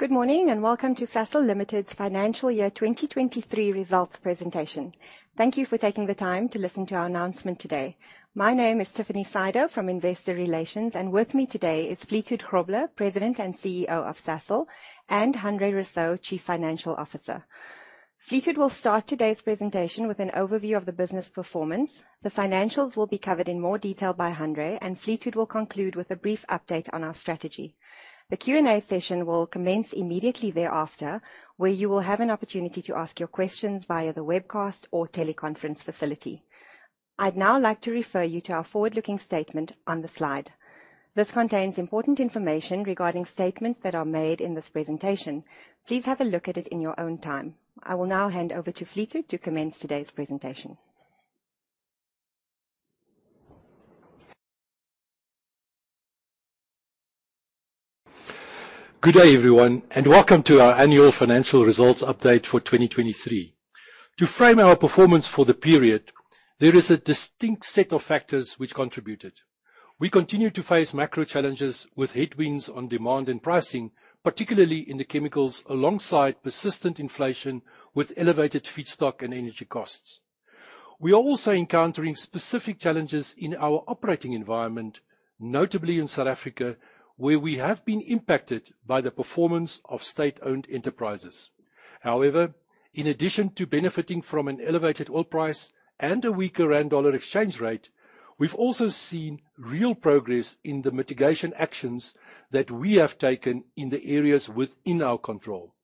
Good morning, and welcome to Sasol Limited's financial year 2023 results presentation. Thank you for taking the time to listen to our announcement today. My name is Tiffany Sydow from Investor Relations, and with me today is Fleetwood Grobler, President and CEO of Sasol, and Hanré Rossouw, Chief Financial Officer. Fleetwood will start today's presentation with an overview of the business performance. The financials will be covered in more detail by Hanré, and Fleetwood will conclude with a brief update on our strategy. The Q&A session will commence immediately thereafter, where you will have an opportunity to ask your questions via the webcast or teleconference facility. I'd now like to refer you to our forward-looking statement on the slide. This contains important information regarding statements that are made in this presentation. Please have a look at it in your own time. I will now hand over to Fleetwood to commence today's presentation. Good day, everyone. Welcome to our annual financial results update for 2023. To frame our performance for the period, there is a distinct set of factors which contributed. We continue to face macro challenges with headwinds on demand and pricing, particularly in the chemicals, alongside persistent inflation with elevated feedstock and energy costs. We are also encountering specific challenges in our operating environment, notably in South Africa, where we have been impacted by the performance of state-owned enterprises. However, in addition to benefiting from an elevated oil price and a weaker rand dollar exchange rate, we've also seen real progress in the mitigation actions that we have taken in the areas within our control.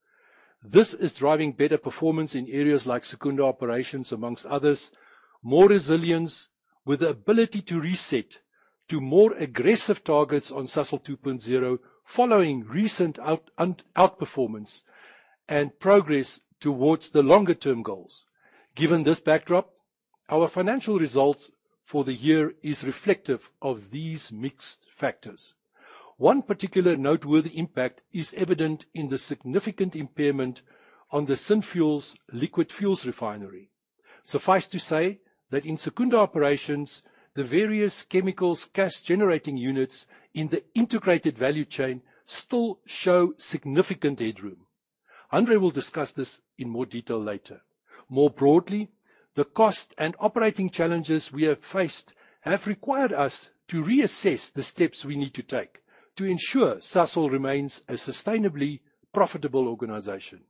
This is driving better performance in areas like Secunda Operations, amongst others, more resilience, with the ability to reset to more aggressive targets on Sasol 2.0, following recent outperformance and progress towards the longer-term goals. This backdrop, our financial results for the year is reflective of these mixed factors. One particular noteworthy impact is evident in the significant impairment on the Synfuels liquid fuels refinery. Suffice to say that in Secunda Operations, the various chemicals cash-generating units in the integrated value chain still show significant headroom. Hanré will discuss this in more detail later. Broadly, the cost and operating challenges we have faced have required us to reassess the steps we need to take to ensure Sasol remains a sustainably profitable organization.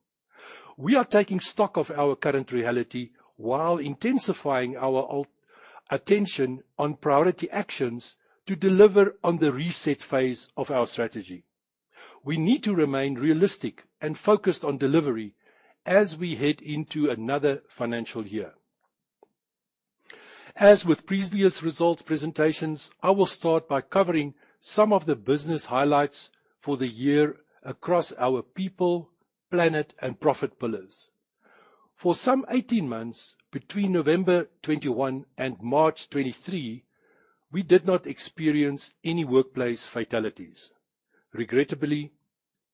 We are taking stock of our current reality while intensifying our attention on priority actions to deliver on the reset phase of our strategy. We need to remain realistic and focused on delivery as we head into another financial year. As with previous results presentations, I will start by covering some of the business highlights for the year across our people, planet, and profit pillars. For some 18 months, between November 2021 and March 2023, we did not experience any workplace fatalities. Regrettably,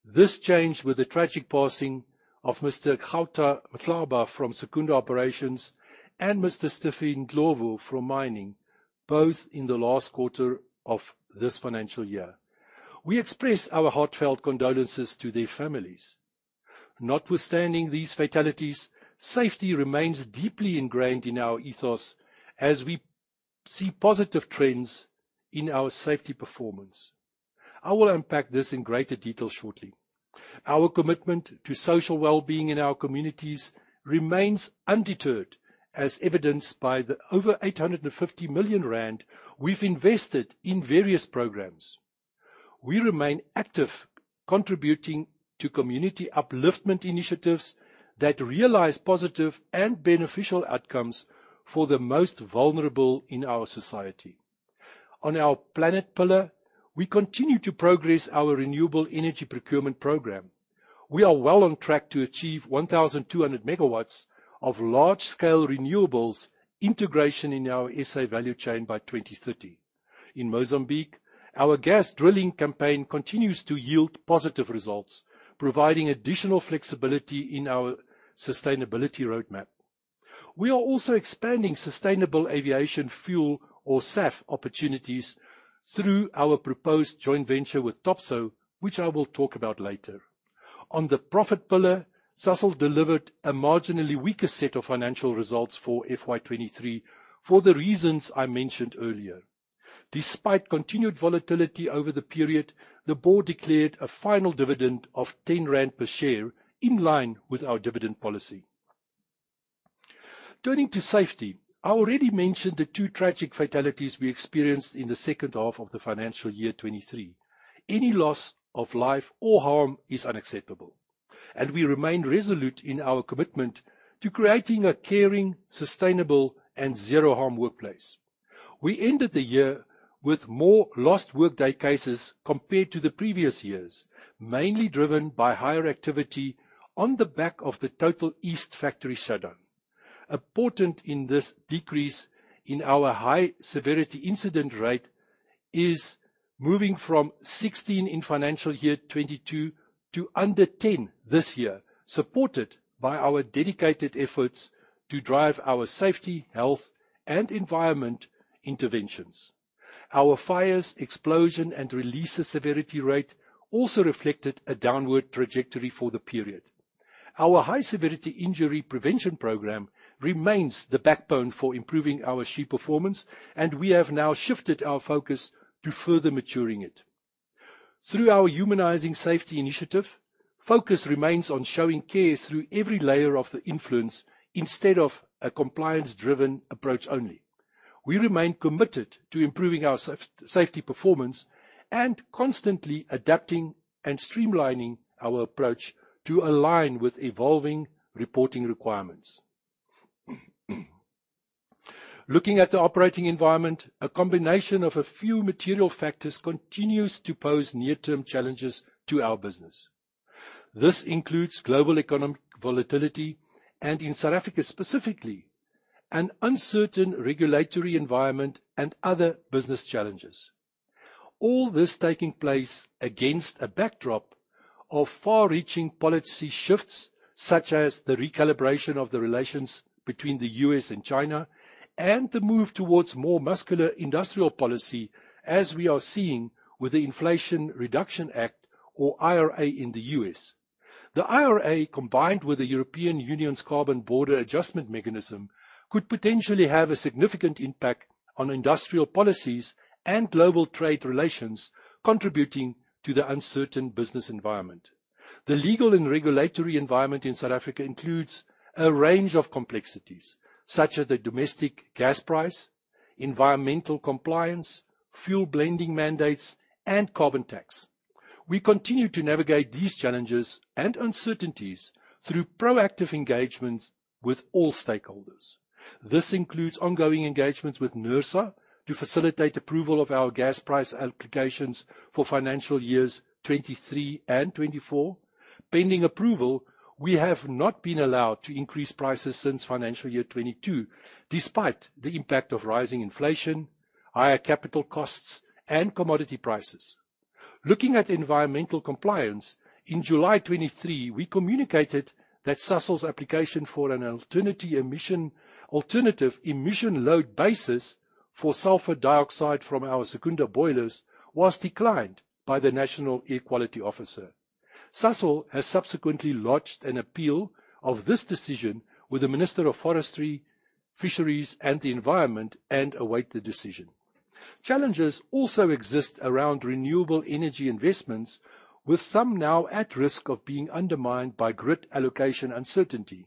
this changed with the tragic passing of Mr. Khauta Matlaba from Secunda Operations and Mr. Stephen Nhlapo from Mining, both in the last quarter of this financial year. We express our heartfelt condolences to their families. Notwithstanding these fatalities, safety remains deeply ingrained in our ethos as we see positive trends in our safety performance. I will unpack this in greater detail shortly. Our commitment to social well-being in our communities remains undeterred, as evidenced by the over 850 million rand we've invested in various programs. We remain active, contributing to community upliftment initiatives that realize positive and beneficial outcomes for the most vulnerable in our society. On our planet pillar, we continue to progress our renewable energy procurement program. We are well on track to achieve 1,200 megawatts of large-scale renewables integration in our SA value chain by 2030. In Mozambique, our gas drilling campaign continues to yield positive results, providing additional flexibility in our sustainability roadmap. We are also expanding sustainable aviation fuel or SAF opportunities through our proposed joint venture with Topsoe, which I will talk about later. On the profit pillar, Sasol delivered a marginally weaker set of financial results for FY 2023, for the reasons I mentioned earlier. Despite continued volatility over the period, the Board declared a final dividend of 10 rand per share, in line with our dividend policy. Turning to safety, I already mentioned the 2 tragic fatalities we experienced in the second half of the financial year 2023. Any loss of life or harm is unacceptable. We remain resolute in our commitment to creating a caring, sustainable, and zero-harm workplace. We ended the year with more lost workday cases compared to the previous years, mainly driven by higher activity on the back of the total East Factory shutdown. Important in this decrease in our high severity incident rate is moving from 16 in financial year 2022 to under 10 this year, supported by our dedicated efforts to drive our safety, health, and environment interventions. Our fires, explosion, and releases severity rate also reflected a downward trajectory for the period. Our high-severity injury prevention program remains the backbone for improving our SHE performance. We have now shifted our focus to further maturing it. Through our Humanizing Safety initiative, focus remains on showing care through every layer of the influence instead of a compliance-driven approach only. We remain committed to improving our safety performance and constantly adapting and streamlining our approach to align with evolving reporting requirements. Looking at the operating environment, a combination of a few material factors continues to pose near-term challenges to our business. This includes global economic volatility and, in South Africa specifically, an uncertain regulatory environment and other business challenges. All this taking place against a backdrop of far-reaching policy shifts, such as the recalibration of the relations between the US and China, and the move towards more muscular industrial policy, as we are seeing with the Inflation Reduction Act, or IRA, in the US. The IRA, combined with the European Union's Carbon Border Adjustment Mechanism, could potentially have a significant impact on industrial policies and global trade relations, contributing to the uncertain business environment. The legal and regulatory environment in South Africa includes a range of complexities such as the domestic gas price, environmental compliance, fuel blending mandates, and carbon tax. We continue to navigate these challenges and uncertainties through proactive engagements with all stakeholders. This includes ongoing engagements with NERSA to facilitate approval of our gas price applications for financial years 23 and 24. Pending approval, we have not been allowed to increase prices since financial year 22, despite the impact of rising inflation, higher capital costs, and commodity prices. Looking at environmental compliance, in July 23, we communicated that Sasol's application for an alternative emission, alternative emission load basis for sulfur dioxide from our Secunda boilers was declined by the National Air Quality Officer. Sasol has subsequently lodged an appeal of this decision with the Minister of Forestry, Fisheries, and the Environment and await the decision. Challenges also exist around renewable energy investments, with some now at risk of being undermined by grid allocation uncertainty.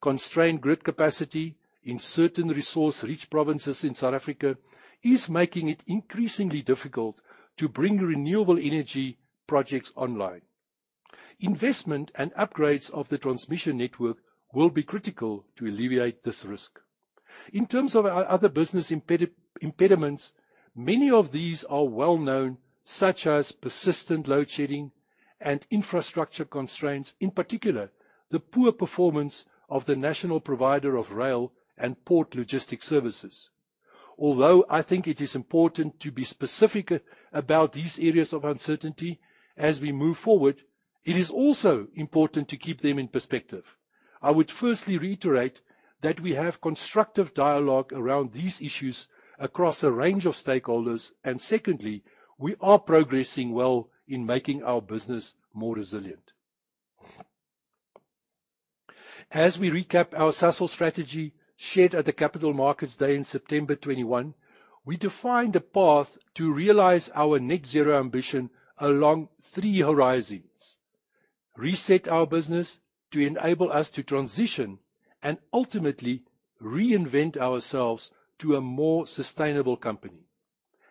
Constrained grid capacity in certain resource-rich provinces in South Africa is making it increasingly difficult to bring renewable energy projects online. Investment and upgrades of the transmission network will be critical to alleviate this risk. In terms of our other business impediments, many of these are well known, such as persistent load shedding and infrastructure constraints, in particular, the poor performance of the national provider of rail and port logistics services. Although I think it is important to be specific about these areas of uncertainty as we move forward, it is also important to keep them in perspective. I would firstly reiterate that we have constructive dialogue around these issues across a range of stakeholders. Secondly, we are progressing well in making our business more resilient. As we recap our Sasol strategy, shared at the Capital Markets Day in September 2021, we defined a path to realize our net-zero ambition along three horizons: reset our business to enable us to transition and ultimately reinvent ourselves to a more sustainable company.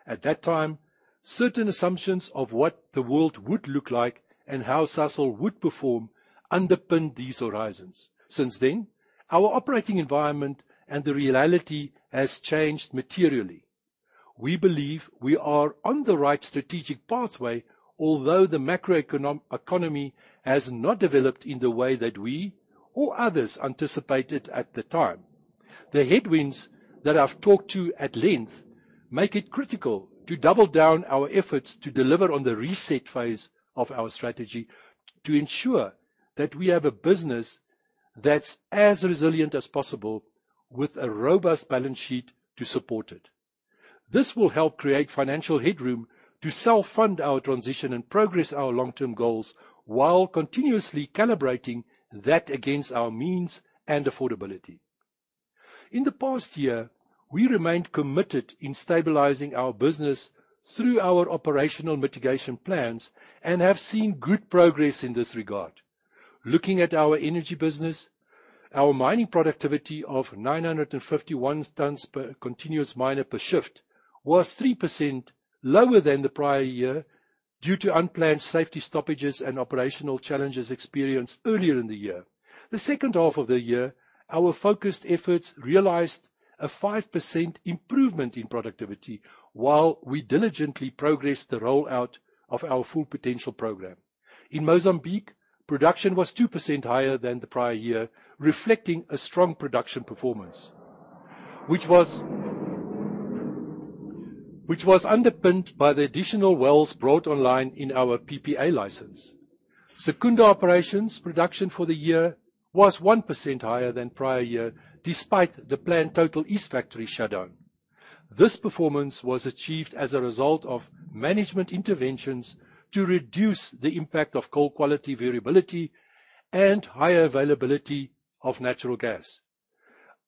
At that time, certain assumptions of WAF the world would look like and how Sasol would perform underpinned these horizons. Since then, our operating environment and the reality has changed materially. We believe we are on the right strategic pathway, although the macroeconomic economy has not developed in the way that we or others anticipated at the time. The headwinds that I've talked to at length make it critical to double down our efforts to deliver on the reset phase of our strategy, to ensure that we have a business that's as resilient as possible with a robust balance sheet to support it. This will help create financial headroom to self-fund our transition and progress our long-term goals, while continuously calibrating that against our means and affordability. In the past year, we remained committed in stabilizing our business through our operational mitigation plans and have seen good progress in this regard. Looking at our energy business, our mining productivity of 951 tons per continuous miner per shift was 3% lower than the prior year due to unplanned safety stoppages and operational challenges experienced earlier in the year. The second half of the year, our focused efforts realized a 5% improvement in productivity, while we diligently progressed the rollout of our Full Potential Programme. In Mozambique, production was 2% higher than the prior year, reflecting a strong production performance, which was underpinned by the additional wells brought online in our PPA license. Secunda Operations production for the year was 1% higher than prior year, despite the planned total East factory shutdown. This performance was achieved as a result of management interventions to reduce the impact of coal quality variability and higher availability of natural gas.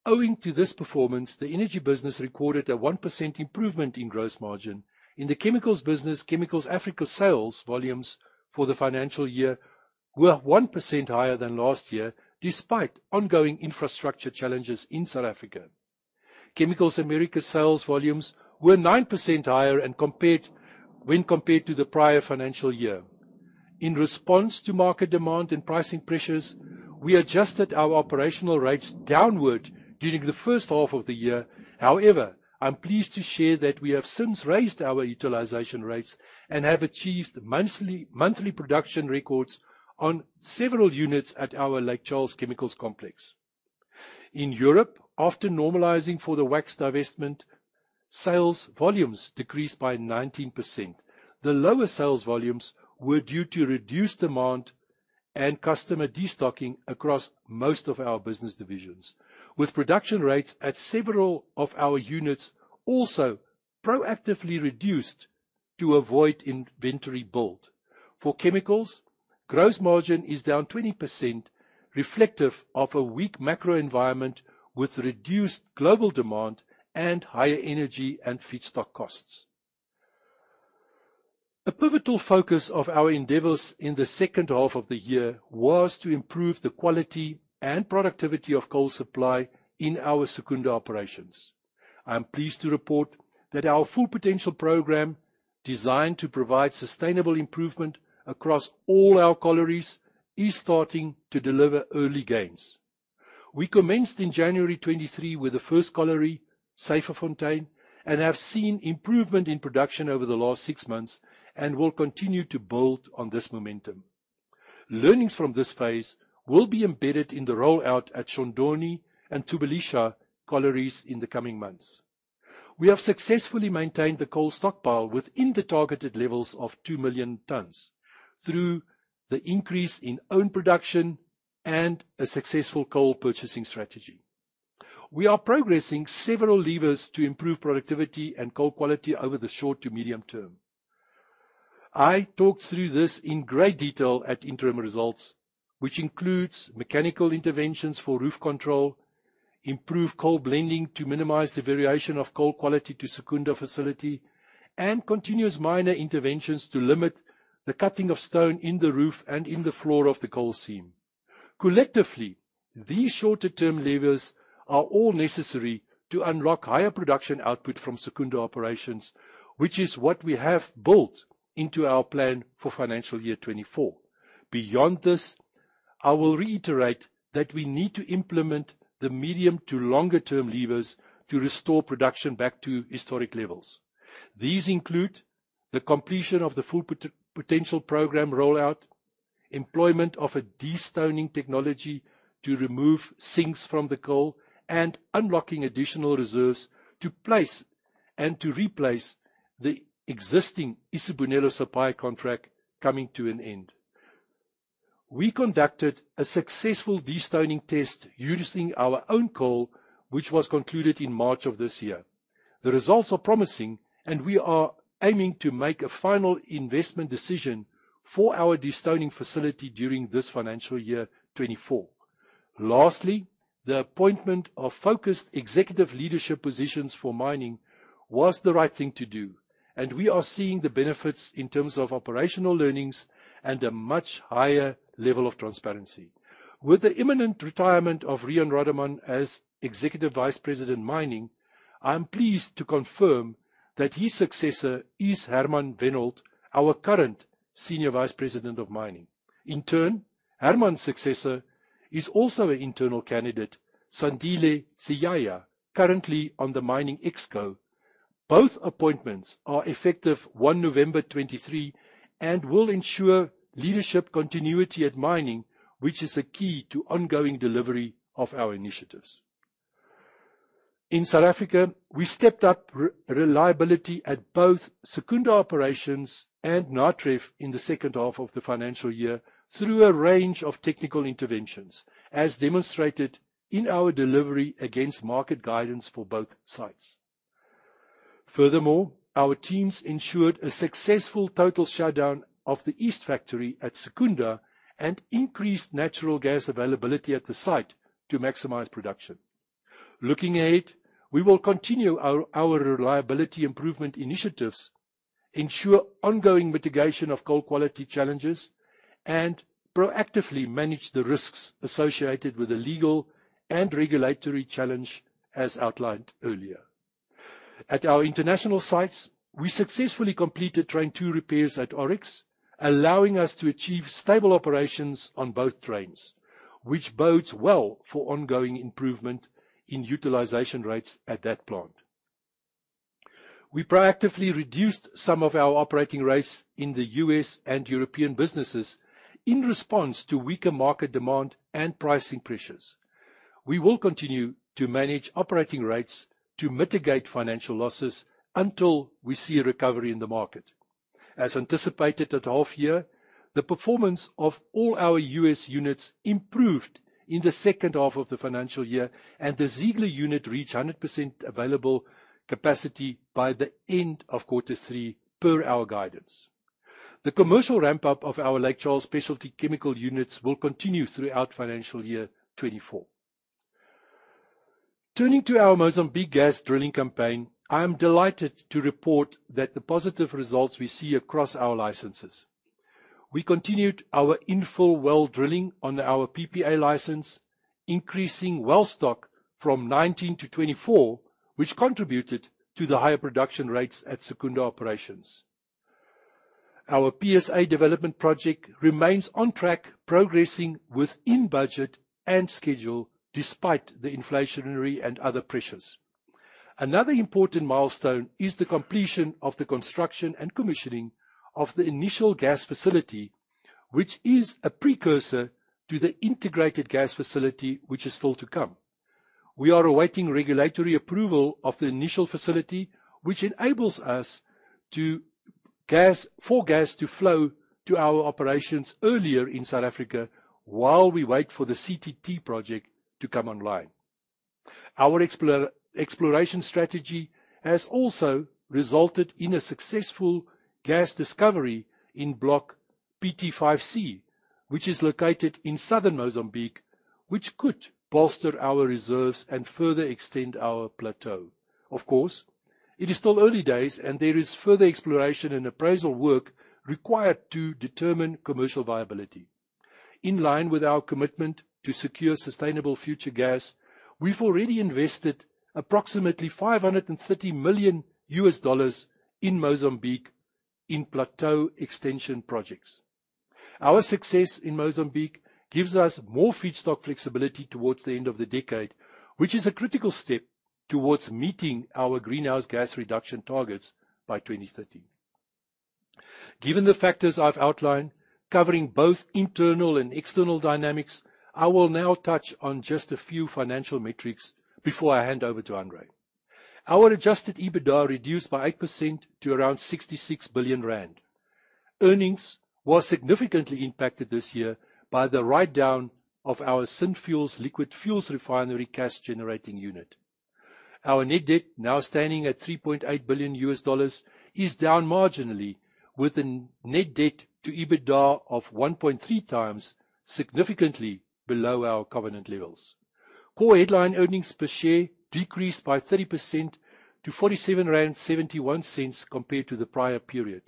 Owing to this performance, the Energy Business recorded a 1% improvement in gross margin. In the Chemicals Business, Chemicals Africa sales volumes for the financial year were 1% higher than last year, despite ongoing infrastructure challenges in South Africa. Chemicals America sales volumes were 9% higher when compared to the prior financial year. In response to market demand and pricing pressures, we adjusted our operational rates downward during the first half of the year. However, I'm pleased to share that we have since raised our utilization rates and have achieved monthly production records on several units at our Lake Charles Chemicals Project. In Europe, after normalizing for the wax divestment, sales volumes decreased by 19%. The lower sales volumes were due to reduced demand and customer destocking across most of our business divisions, with production rates at several of our units also proactively reduced to avoid inventory build. For Chemicals, gross margin is down 20%, reflective of a weak macro environment with reduced global demand and higher energy and feedstock costs. A pivotal focus of our endeavors in the second half of the year was to improve the quality and productivity of coal supply in our Secunda Operations. I'm pleased to report that our Full Potential Programme, designed to provide sustainable improvement across all our collieries, is starting to deliver early gains. We commenced in January 2023 with the first colliery, Syferfontein, and have seen improvement in production over the last six months and will continue to build on this momentum. Learnings from this phase will be embedded in the rollout at Shondoni and Thubelisha collieries in the coming months. We have successfully maintained the coal stockpile within the targeted levels of 2 million tons through the increase in own production and a successful coal purchasing strategy. We are progressing several levers to improve productivity and coal quality over the short to medium term. I talked through this in great detail at interim results, which includes mechanical interventions for roof control, improved coal blending to minimize the variation of coal quality to Secunda facility, and continuous miner interventions to limit the cutting of stone in the roof and in the floor of the coal seam. Collectively, these shorter-term levers are all necessary to unlock higher production output from Secunda operations, which is what we have built into our plan for financial year 2024. Beyond this, I will reiterate that we need to implement the medium to longer term levers to restore production back to historic levels. These include the completion of the Full Potential Programme rollout, employment of a destoning technology to remove sinks from the coal, and unlocking additional reserves to place and to replace the existing Isibonelo supply contract coming to an end. We conducted a successful destoning test using our own coal, which was concluded in March of this year. The results are promising, and we are aiming to make a final investment decision for our destoning facility during this financial year, 2024. Lastly, the appointment of focused executive leadership positions for mining was the right thing to do, and we are seeing the benefits in terms of operational learnings and a much higher level of transparency. With the imminent retirement of Riaan Rademan as Executive Vice President, Mining, I'm pleased to confirm that his successor is Hermann Wenhold, our current Senior Vice President of Mining. In turn, Hermann's successor is also an internal candidate, Sandile Siyaya, currently on the Mining ExCo. Both appointments are effective 1 November 2023 and will ensure leadership continuity at mining, which is a key to ongoing delivery of our initiatives. In South Africa, we stepped up re-reliability at both Secunda Operations and Natref in the second half of the financial year through a range of technical interventions, as demonstrated in our delivery against market guidance for both sites. Furthermore, our teams ensured a successful total shutdown of the East factory at Secunda and increased natural gas availability at the site to maximize production. Looking ahead, we will continue our reliability improvement initiatives, ensure ongoing mitigation of coal quality challenges, and proactively manage the risks associated with the legal and regulatory challenge, as outlined earlier. At our international sites, we successfully completed train 2 repairs at Oryx, allowing us to achieve stable operations on both trains, which bodes well for ongoing improvement in utilization rates at that plant. We proactively reduced some of our operating rates in the U.S. and European businesses in response to weaker market demand and pricing pressures. We will continue to manage operating rates to mitigate financial losses until we see a recovery in the market. As anticipated at half year, the performance of all our U.S. units improved in the second half of the financial year, and the Ziegler unit reached 100% available capacity by the end of quarter 3, per our guidance. The commercial ramp-up of our Lake Charles specialty chemical units will continue throughout financial year 2024. Turning to our Mozambique gas drilling campaign, I am delighted to report that the positive results we see across our licenses. We continued our infill well drilling on our PPA license, increasing well stock from 19 to 24, which contributed to the higher production rates at Secunda Operations. Our PSA development project remains on track, progressing within budget and schedule despite the inflationary and other pressures. Another important milestone is the completion of the construction and commissioning of the initial gas facility, which is a precursor to the integrated gas facility, which is still to come. We are awaiting regulatory approval of the initial facility, which enables us for gas to flow to our operations earlier in South Africa, while we wait for the CTT project to come online. Our exploration strategy has also resulted in a successful gas discovery in Block PT-5C, which is located in southern Mozambique, which could bolster our reserves and further extend our plateau. Of course, it is still early days, and there is further exploration and appraisal work required to determine commercial viability. In line with our commitment to secure sustainable future gas, we've already invested approximately $530 million in Mozambique in plateau extension projects. Our success in Mozambique gives us more feedstock flexibility towards the end of the decade, which is a critical step towards meeting our greenhouse gas reduction targets by 2030. Given the factors I've outlined, covering both internal and external dynamics, I will now touch on just a few financial metrics before I hand over to Hanré. Our Adjusted EBITDA reduced by 8% - around 66 billion rand. Earnings were significantly impacted this year by the write-down of our Synfuels liquid fuels refinery cash-generating unit. Our net debt, now standing at $3.8 billion, is down marginally, with a net debt to EBITDA of 1.3 times, significantly below our covenant levels. Core headline earnings per share decreased by 30% - 47.71 compared to the prior period.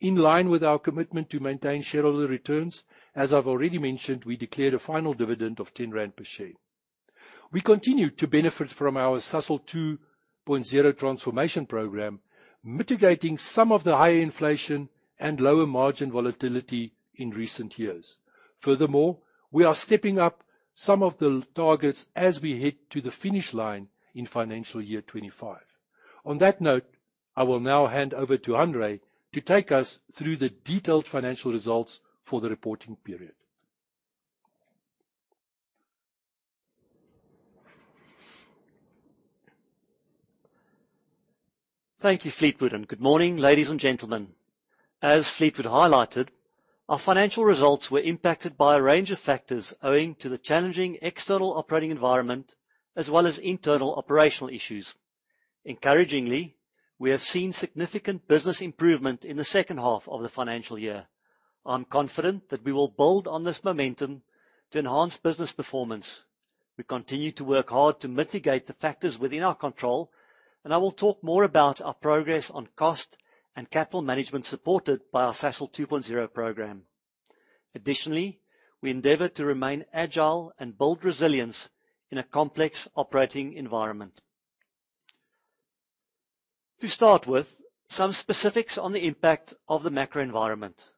In line with our commitment to maintain shareholder returns, as I've already mentioned, we declared a final dividend of 10 rand per share. We continued to benefit from our Sasol 2.0 transformation program, mitigating some of the higher inflation and lower margin volatility in recent years. Furthermore, we are stepping up some of the targets as we head to the finish line in financial year 2025. On that note, I will now hand over to Hanré to take us through the detailed financial results for the reporting period. Thank you, Fleetwood, and good morning, ladies and gentlemen. As Fleetwood highlighted, our financial results were impacted by a range of factors owing to the challenging external operating environment as well as internal operational issues. Encouragingly, we have seen significant business improvement in the second half of the financial year. I'm confident that we will build on this momentum to enhance business performance. We continue to work hard to mitigate the factors within our control, and I will talk more about our progress on cost and capital management, supported by our Sasol 2.0 program. Additionally, we endeavor to remain agile and build resilience in a complex operating environment. To start with, some specifics on the impact of the macro environment.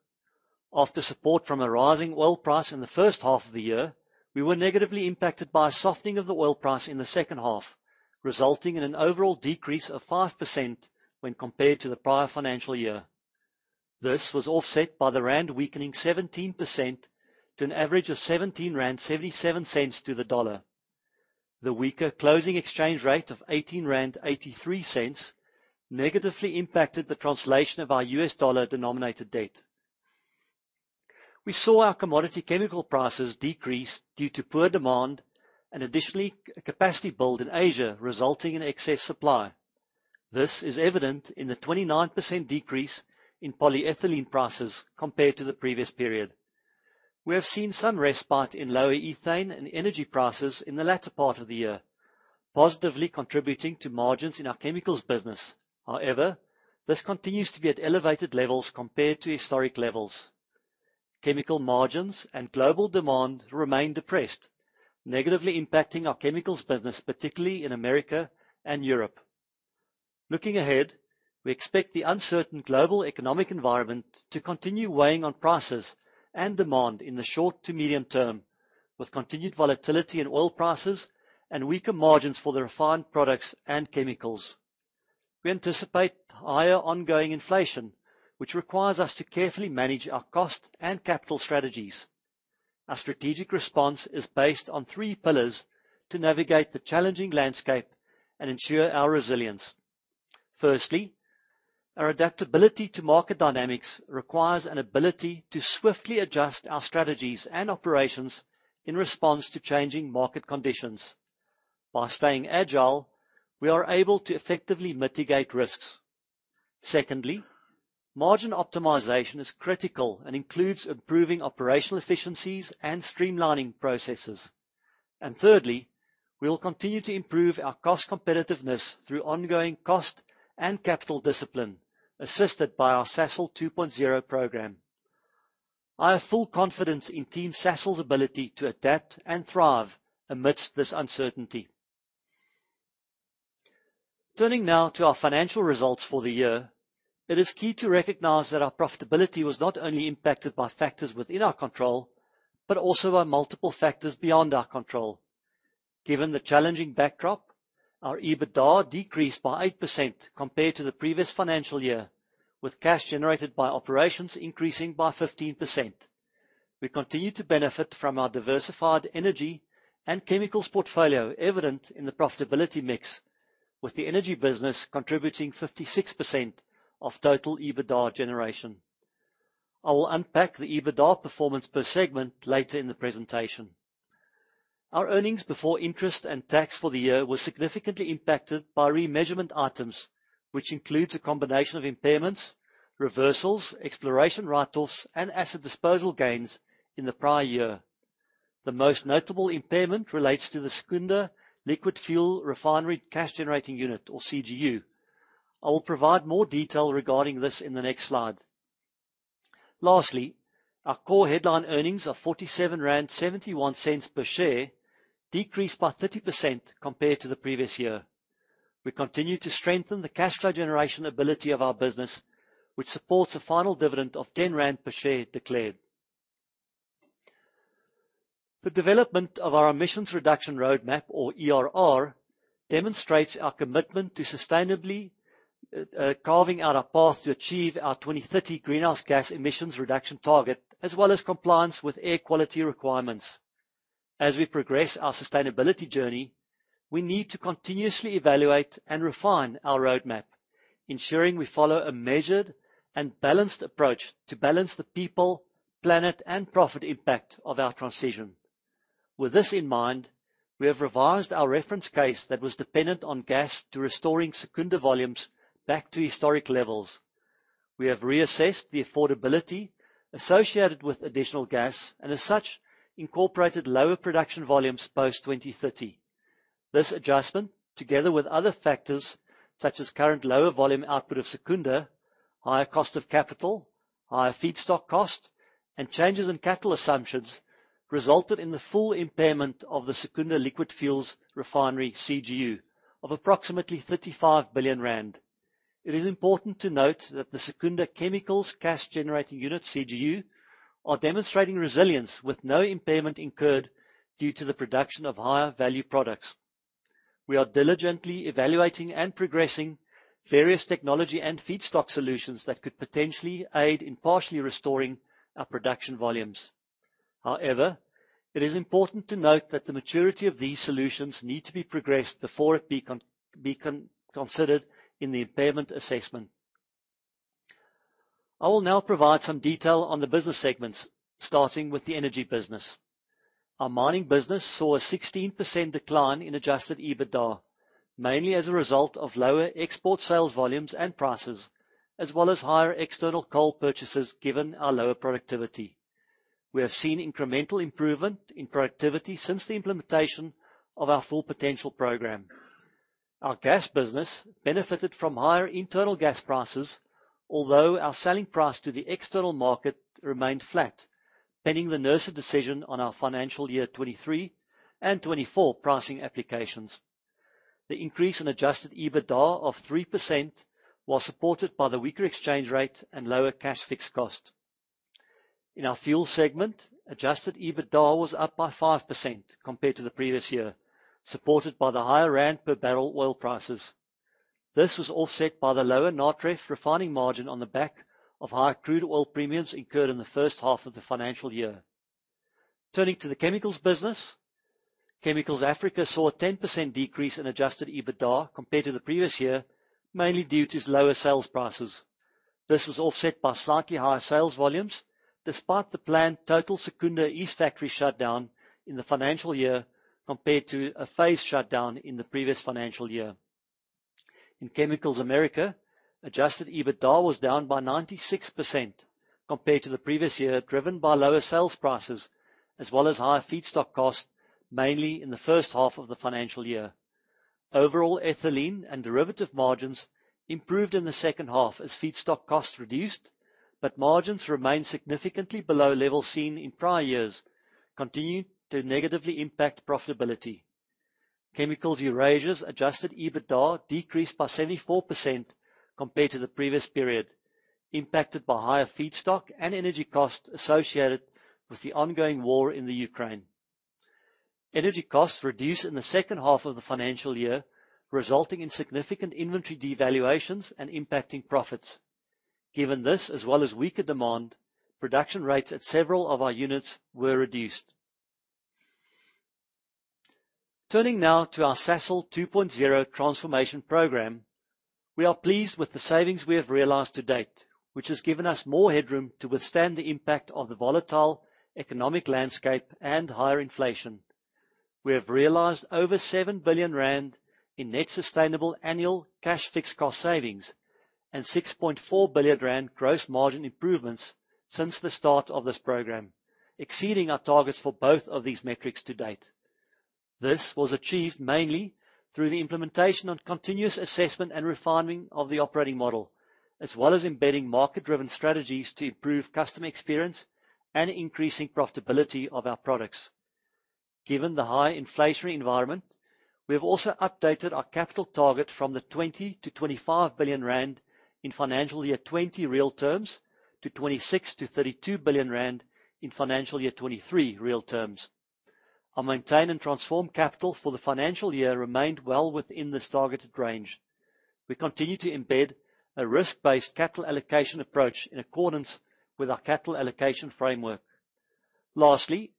After support from a rising oil price in the first half of the year, we were negatively impacted by a softening of the oil price in the second half, resulting in an overall decrease of 5% when compared to the prior financial year. This was offset by the rand weakening 17% - an average of 17.77 rand to the dollar. The weaker closing exchange rate of 18.83 rand negatively impacted the translation of our U.S. dollar-denominated debt. We saw our commodity chemical prices decrease due to poor demand and additionally, capacity build in Asia, resulting in excess supply. This is evident in the 29% decrease in polyethylene prices compared to the previous period. We have seen some respite in lower ethane and energy prices in the latter part of the year, positively contributing to margins in our chemicals business. However, this continues to be at elevated levels compared to historic levels. Chemical margins and global demand remain depressed, negatively impacting our chemicals business, particularly in America and Europe. Looking ahead, we expect the uncertain global economic environment to continue weighing on prices and demand in the short to medium term, with continued volatility in oil prices and weaker margins for the refined products and chemicals. We anticipate higher ongoing inflation, which requires us to carefully manage our cost and capital strategies. Our strategic response is based on three pillars to navigate the challenging landscape and ensure our resilience. Firstly, our adaptability to market dynamics requires an ability to swiftly adjust our strategies and operations in response to changing market conditions. By staying agile, we are able to effectively mitigate risks. Secondly, margin optimization is critical and includes improving operational efficiencies and streamlining processes. Thirdly, we will continue to improve our cost competitiveness through ongoing cost and capital discipline, assisted by our Sasol 2.0 program. I have full confidence in Team Sasol's ability to adapt and thrive amidst this uncertainty. Turning now to our financial results for the year, it is key to recognize that our profitability was not only impacted by factors within our control, but also by multiple factors beyond our control. Given the challenging backdrop, our EBITDA decreased by 8% compared to the previous financial year, with cash generated by operations increasing by 15%. We continue to benefit from our diversified Energy and Chemicals portfolio, evident in the profitability mix, with the Energy Business contributing 56% of total EBITDA generation. I will unpack the EBITDA performance per segment later in the presentation. Our earnings before interest and tax for the year was significantly impacted by remeasurement items, which includes a combination of impairments, reversals, exploration write-offs, and asset disposal gains in the prior year. The most notable impairment relates to the Secunda liquid fuel refinery cash generating unit, or CGU. I will provide more detail regarding this in the next slide. Lastly, our core headline earnings of 47.71 rand per share decreased by 30% compared to the previous year. We continue to strengthen the cash flow generation ability of our business, which supports a final dividend of 10 rand per share declared. The development of our Emission Reduction Roadmap, or ERR, demonstrates our commitment to sustainably carving out a path to achieve our 2030 greenhouse gas emissions reduction target, as well as compliance with air quality requirements. As we progress our sustainability journey, we need to continuously evaluate and refine our roadmap, ensuring we follow a measured and balanced approach to balance the people, planet, and profit impact of our transition. With this in mind, we have revised our reference case that was dependent on gas to restoring Secunda volumes back to historic levels. We have reassessed the affordability associated with additional gas and as such, incorporated lower production volumes post 2030. This adjustment, together with other factors such as current lower volume output of Secunda, higher cost of capital, higher feedstock cost, and changes in capital assumptions, resulted in the full impairment of the Secunda liquid fuels refinery CGU of approximately 35 billion rand. It is important to note that the Secunda Chemicals cash generating unit, CGU, are demonstrating resilience with no impairment incurred due to the production of higher value products. We are diligently evaluating and progressing various technology and feedstock solutions that could potentially aid in partially restoring our production volumes. However, it is important to note that the maturity of these solutions need to be progressed before it be considered in the impairment assessment. I will now provide some detail on the business segments, starting with the Energy Business. Our Mining Business saw a 16% decline in Adjusted EBITDA, mainly as a result of lower export sales volumes and prices, as well as higher external coal purchases given our lower productivity. We have seen incremental improvement in productivity since the implementation of our Full Potential Programme. Our Gas Business benefited from higher internal gas prices, although our selling price to the external market remained flat, pending the NERSA decision on our financial year 2023 and 2024 pricing applications. The increase in Adjusted EBITDA of 3% was supported by the weaker exchange rate and lower cash fixed cost. In our fuel segment, Adjusted EBITDA was up by 5% compared to the previous year, supported by the higher rand per barrel oil prices. This was offset by the lower Natref refining margin on the back of higher crude oil premiums incurred in the 1st half of the financial year. Turning to the chemicals business, Chemicals Africa saw a 10% decrease in Adjusted EBITDA compared to the previous year, mainly due to lower sales prices. This was offset by slightly higher sales volumes, despite the planned total Secunda East factory shutdown in the financial year, compared to a phased shutdown in the previous financial year. In Chemicals America, Adjusted EBITDA was down by 96% compared to the previous year, driven by lower sales prices as well as higher feedstock costs, mainly in the 1st half of the financial year. Overall, ethylene and derivative margins improved in the 2nd half as feedstock costs reduced, but margins remained significantly below levels seen in prior years, continuing to negatively impact profitability. Chemicals Eurasia's Adjusted EBITDA decreased by 74% compared to the previous period, impacted by higher feedstock and energy costs associated with the ongoing war in the Ukraine. Energy costs reduced in the 2nd half of the financial year, resulting in significant inventory devaluations and impacting profits. Given this, as well as weaker demand, production rates at several of our units were reduced. Turning now to our Sasol 2.0 transformation program, we are pleased with the savings we have realized to date, which has given us more headroom to withstand the impact of the volatile economic landscape and higher inflation. We have realized over 7 billion rand in net sustainable annual cash fixed cost savings and 6.4 billion rand gross margin improvements since the start of this program, exceeding our targets for both of these metrics to date. This was achieved mainly through the implementation and continuous assessment and refining of the operating model, as well as embedding market-driven strategies to improve customer experience and increasing profitability of our products. Given the high inflationary environment, we have also updated our capital target from the 20 billion-25 billion rand in financial year 20 real terms, to 26 billion-32 billion rand in financial year 23 real terms. Our maintain and transform capital for the financial year remained well within this targeted range. We continue to embed a risk-based capital allocation approach in accordance with our capital allocation framework. Lastly,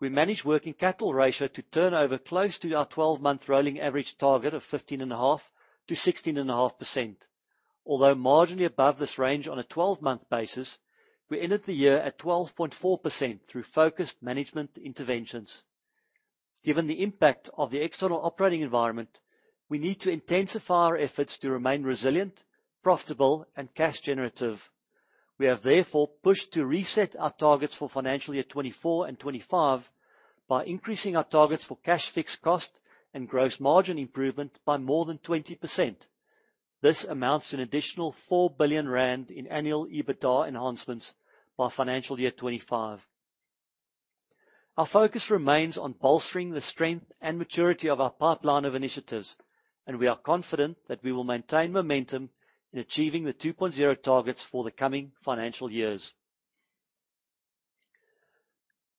we managed working capital ratio to turn over close to our 12-month rolling average target of 15.5%-16.5%. Although marginally above this range on a 12-month basis, we ended the year at 12.4% through focused management interventions. Given the impact of the external operating environment, we need to intensify our efforts to remain resilient, profitable, and cash generative. We have therefore pushed to reset our targets for financial year 2024 and 2025 by increasing our targets for cash fixed cost and gross margin improvement by more than 20%. This amounts to an additional 4 billion rand in annual EBITDA enhancements by financial year 2025. Our focus remains on bolstering the strength and maturity of our pipeline of initiatives, and we are confident that we will maintain momentum in achieving the 2.0 targets for the coming financial years.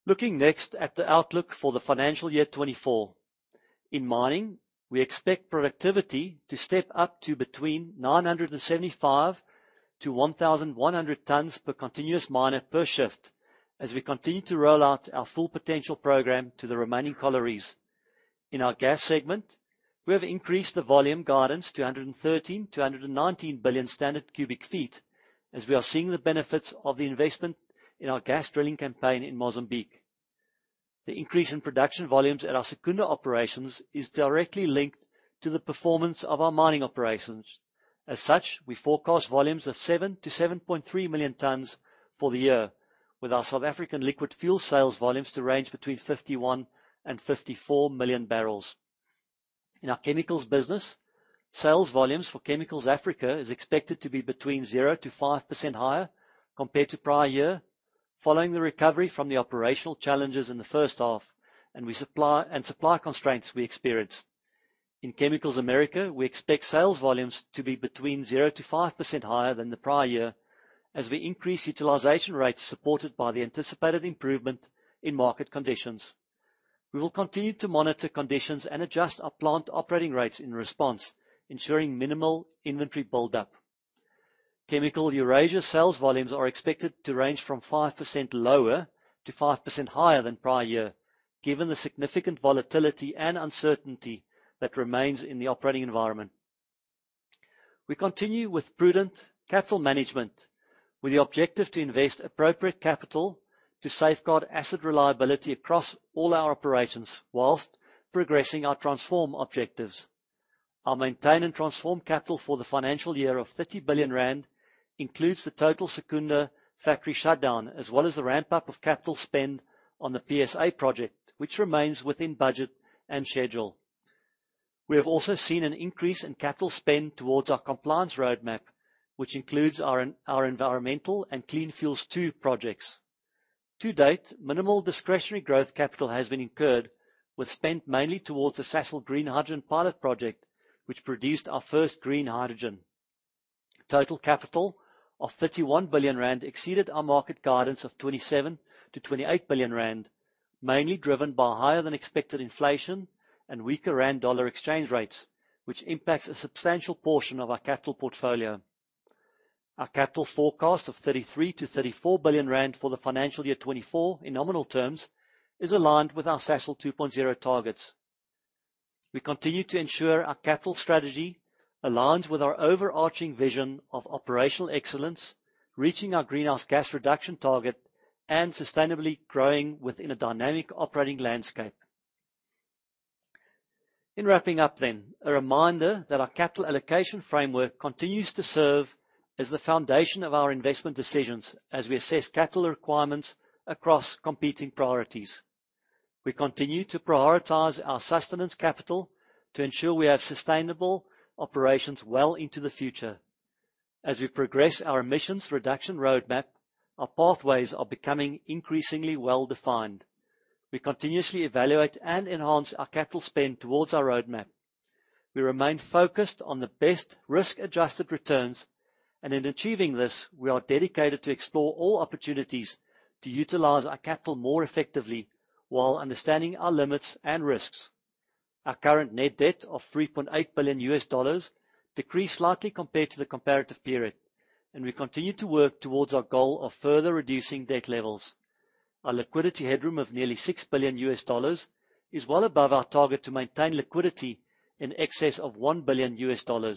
Looking next at the outlook for the financial year 2024. In mining, we expect productivity to step up to between 975 to 1,100 tons per continuous miner per shift, as we continue to roll out our Full Potential Programme to the remaining collieries. In our gas segment, we have increased the volume guidance to 113 to 119 billion standard cubic feet, as we are seeing the benefits of the investment in our gas drilling campaign in Mozambique. The increase in production volumes at our Secunda Operations is directly linked to the performance of our mining operations. As such, we forecast volumes of 7-7.3 million tons for the year, with our South African liquid fuel sales volumes to range between 51 million and 54 million barrels. In our chemicals business, sales volumes for Chemicals Africa is expected to be between 0-5% higher compared to prior year, following the recovery from the operational challenges in the first half and supply constraints we experienced. In Chemicals America, we expect sales volumes to be between 0-5% higher than the prior year as we increase utilization rates supported by the anticipated improvement in market conditions. We will continue to monitor conditions and adjust our plant operating rates in response, ensuring minimal inventory buildup. Chemicals Eurasia sales volumes are expected to range from 5% lower to 5% higher than prior year, given the significant volatility and uncertainty that remains in the operating environment. We continue with prudent capital management, with the objective to invest appropriate capital to safeguard asset reliability across all our operations whilst progressing our transform objectives. Our maintain and transform capital for the financial year of 30 billion rand includes the total Secunda factory shutdown, as well as the ramp-up of capital spend on the PSA project, which remains within budget and schedule. We have also seen an increase in capital spend towards our environmental and Clean Fuels 2 projects. To date, minimal discretionary growth capital has been incurred, with spend mainly towards the Sasol Green Hydrogen pilot project, which produced our first green hydrogen. Total capital of 31 billion rand exceeded our market guidance of 27 billion-28 billion rand, mainly driven by higher than expected inflation and weaker rand dollar exchange rates, which impacts a substantial portion of our capital portfolio. Our capital forecast of 33 billion-34 billion rand for the financial year 2024, in nominal terms, is aligned with our Sasol 2.0 targets. We continue to ensure our capital strategy aligns with our overarching vision of operational excellence, reaching our greenhouse gas reduction target, and sustainably growing within a dynamic operating landscape. In wrapping up then, a reminder that our capital allocation framework continues to serve as the foundation of our investment decisions as we assess capital requirements across competing priorities. We continue to prioritize our sustenance capital to ensure we have sustainable operations well into the future. As we progress our emissions reduction roadmap, our pathways are becoming increasingly well-defined. We continuously evaluate and enhance our capital spend towards our roadmap. We remain focused on the best risk-adjusted returns. In achieving this, we are dedicated to explore all opportunities to utilize our capital more effectively while understanding our limits and risks. Our current net debt of $3.8 billion decreased slightly compared to the comparative period. We continue to work towards our goal of further reducing debt levels. Our liquidity headroom of nearly $6 billion is well above our target to maintain liquidity in excess of $1 billion.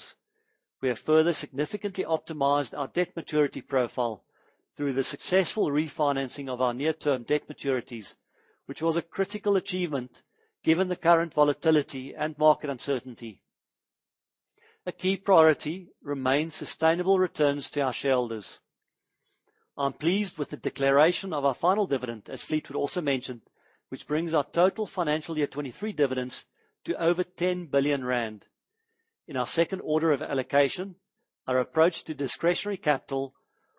We have further significantly optimized our debt maturity profile through the successful refinancing of our near-term debt maturities, which was a critical achievement given the current volatility and market uncertainty. A key priority remains sustainable returns to our shareholders. I'm pleased with the declaration of our final dividend, as Fleetwood also mentioned, which brings our total financial year 2023 dividends to over 10 billion rand. In our second order of allocation, our approach to discretionary capital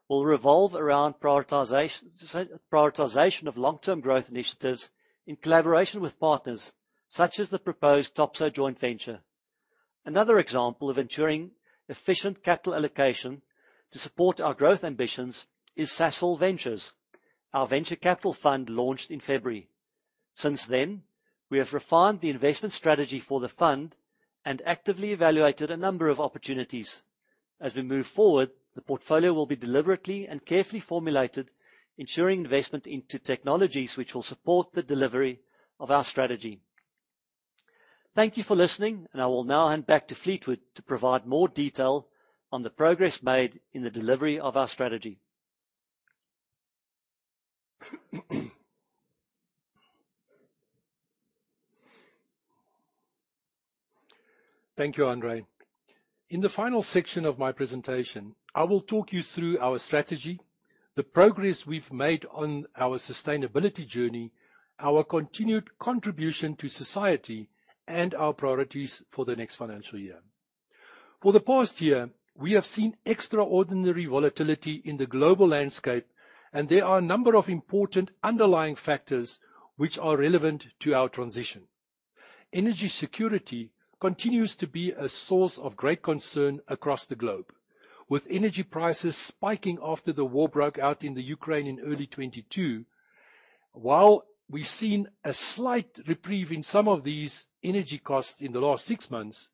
will revolve around prioritization of long-term growth initiatives in collaboration with partners such as the proposed Topsoe joint venture. Another example of ensuring efficient capital allocation to support our growth ambitions is Sasol Ventures, our venture capital fund launched in February. Since then, we have refined the investment strategy for the fund and actively evaluated a number of opportunities. As we move forward, the portfolio will be deliberately and carefully formulated, ensuring investment into technologies which will support the delivery of our strategy. Thank you for listening, and I will now hand back to Fleetwood to provide more detail on the progress made in the delivery of our strategy. Thank you, Hanré. In the final section of my presentation, I will talk you through our strategy, the progress we've made on our sustainability journey, our continued contribution to society, and our priorities for the next financial year. For the past year, we have seen extraordinary volatility in the global landscape, and there are a number of important underlying factors which are relevant to our transition. Energy security continues to be a source of great concern across the globe, with energy prices spiking after the war broke out in Ukraine in early 2022. While we've seen a slight reprieve in some of these energy costs in the last six months,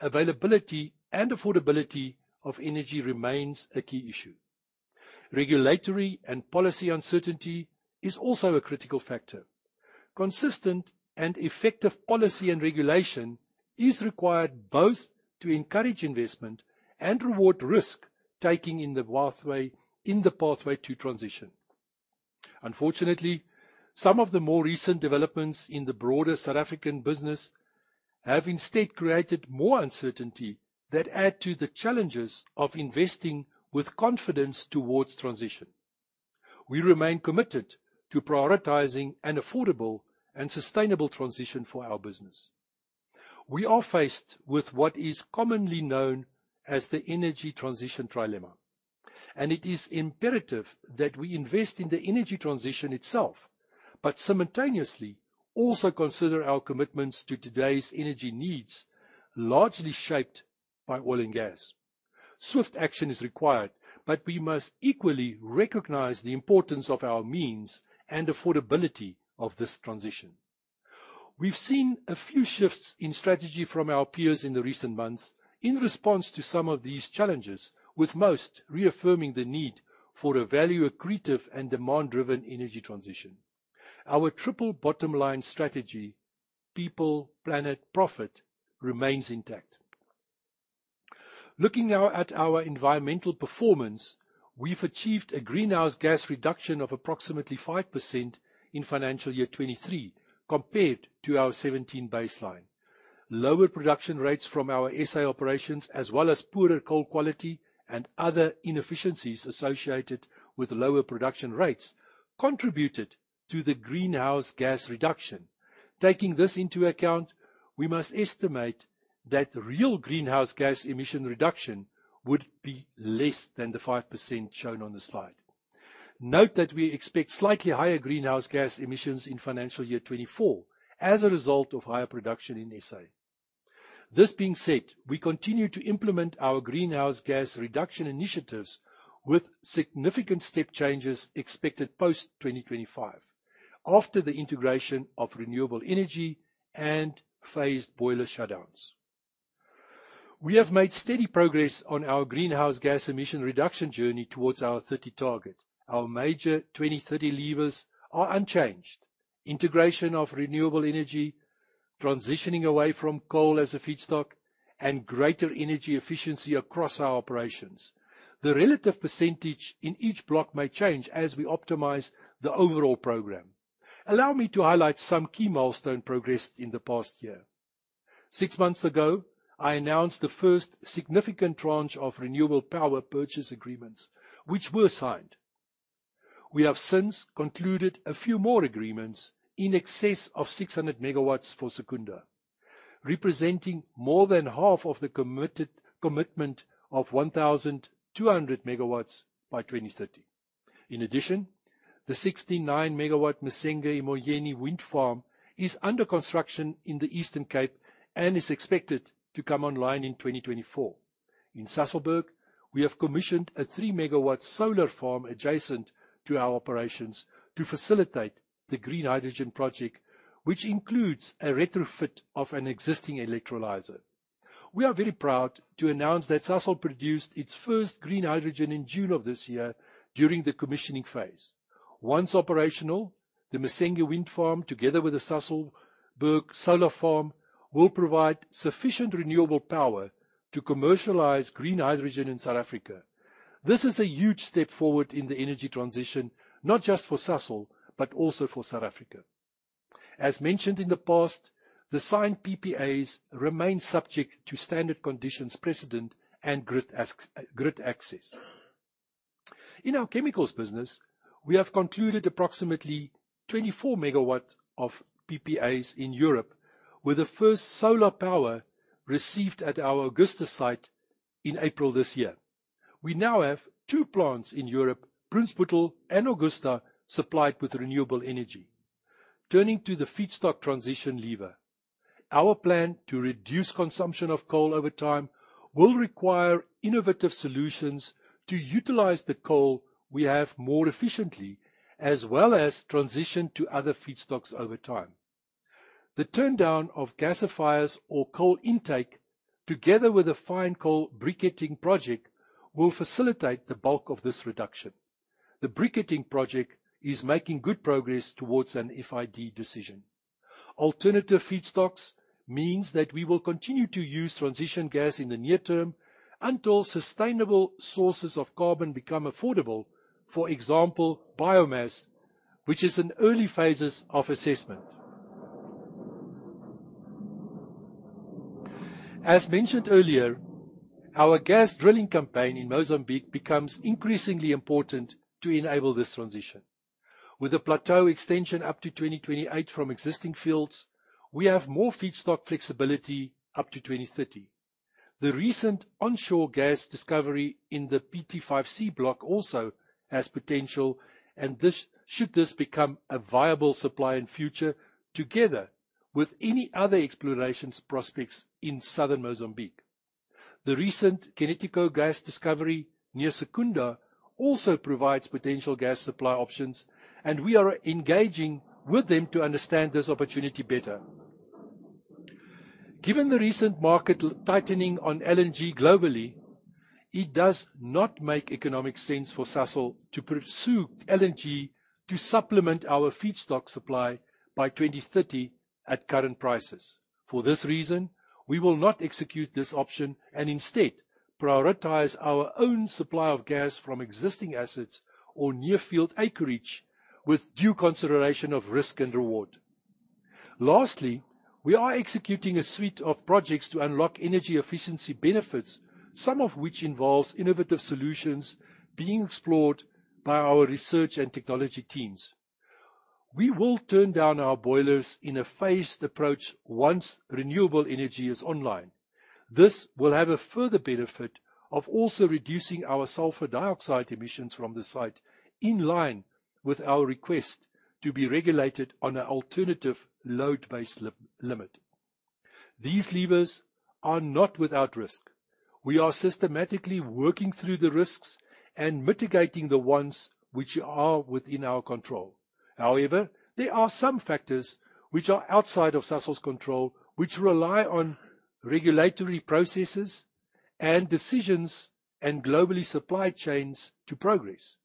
availability and affordability of energy remains a key issue. Regulatory and policy uncertainty is also a critical factor. Consistent and effective policy and regulation is required both to encourage investment and reward risk-taking in the pathway, in the pathway to transition. Unfortunately, some of the more recent developments in the broader South African business have instead created more uncertainty that add to the challenges of investing with confidence towards transition. We remain committed to prioritizing an affordable and sustainable transition for our business. We are faced with what is commonly known as the energy transition trilemma, and it is imperative that we invest in the energy transition itself, but simultaneously also consider our commitments to today's energy needs, largely shaped by oil and gas. Swift action is required, but we must equally recognize the importance of our means and affordability of this transition. We've seen a few shifts in strategy from our peers in the recent months in response to some of these challenges, with most reaffirming the need for a value-accretive and demand-driven energy transition. Our triple bottom line strategy, people, planet, profit, remains intact. Looking now at our environmental performance, we've achieved a greenhouse gas reduction of approximately 5% in financial year 2023 compared to our 2017 baseline. Lower production rates from our SA operations, as well as poorer coal quality and other inefficiencies associated with lower production rates, contributed to the greenhouse gas reduction. Taking this into account, we must estimate that real greenhouse gas emission reduction would be less than the 5% shown on the slide. Note that we expect slightly higher greenhouse gas emissions in financial year 2024 as a result of higher production in SA. This being said, we continue to implement our greenhouse gas reduction initiatives with significant step changes expected post-2025, after the integration of renewable energy and phased boiler shutdowns. We have made steady progress on our greenhouse gas emission reduction journey towards our 30 target. Our major 2030 levers are unchanged: integration of renewable energy, transitioning away from coal as a feedstock, and greater energy efficiency across our operations. The relative % in each block may change as we optimize the overall program. Allow me to highlight some key milestone progress in the past year. 6 months ago, I announced the first significant tranche of renewable power purchase agreements, which were signed. We have since concluded a few more agreements in excess of 600 MW for Secunda, representing more than half of the committed commitment of 1,200 MW by 2030.... The 69 MW Msenge wind farm is under construction in the Eastern Cape and is expected to come online in 2024. In Sasolburg, we have commissioned a 3 MW solar farm adjacent to our operations to facilitate the green hydrogen project, which includes a retrofit of an existing electrolyzer. We are very proud to announce that Sasol produced its first green hydrogen in June of this year during the commissioning phase. Once operational, the Msenge Wind Farm, together with the Sasolburg solar farm, will provide sufficient renewable power to commercialize green hydrogen in South Africa. This is a huge step forward in the energy transition, not just for Sasol, but also for South Africa. As mentioned in the past, the signed PPAs remain subject to standard conditions precedent and grid access. In our chemicals business, we have concluded approximately 24 megawatts of PPAs in Europe, with the first solar power received at our Augusta site in April this year. We now have two plants in Europe, Brunsbüttel and Augusta, supplied with renewable energy. Turning to the feedstock transition lever, our plan to reduce consumption of coal over time will require innovative solutions to utilize the coal we have more efficiently, as well as transition to other feedstocks over time. The turndown of gasifiers or coal intake, together with a fine coal briquetting project, will facilitate the bulk of this reduction. The briquetting project is making good progress towards an FID decision. Alternative feedstocks means that we will continue to use transition gas in the near term until sustainable sources of carbon become affordable, for example, biomass, which is in early phases of assessment. As mentioned earlier, our gas drilling campaign in Mozambique becomes increasingly important to enable this transition. With a plateau extension up to 2028 from existing fields, we have more feedstock flexibility up to 2030. The recent onshore gas discovery in the PT-5C block also has potential, should this become a viable supply in future, together with any other explorations prospects in southern Mozambique. The recent Kinetiko gas discovery near Secunda also provides potential gas supply options, and we are engaging with them to understand this opportunity better. Given the recent market tightening on LNG globally, it does not make economic sense for Sasol to pursue LNG to supplement our feedstock supply by 2030 at current prices. For this reason, we will not execute this option and instead prioritize our own supply of gas from existing assets or near field acreage, with due consideration of risk and reward. We are executing a suite of projects to unlock energy efficiency benefits, some of which involves innovative solutions being explored by our research and technology teams. We will turn down our boilers in a phased approach once renewable energy is online. This will have a further benefit of also reducing our sulfur dioxide emissions from the site, in line with our request to be regulated on an alternative load-based limit. These levers are not without risk. We are systematically working through the risks and mitigating the ones which are within our control. There are some factors which are outside of Sasol's control, which rely on regulatory processes and decisions and globally supply chains to progress.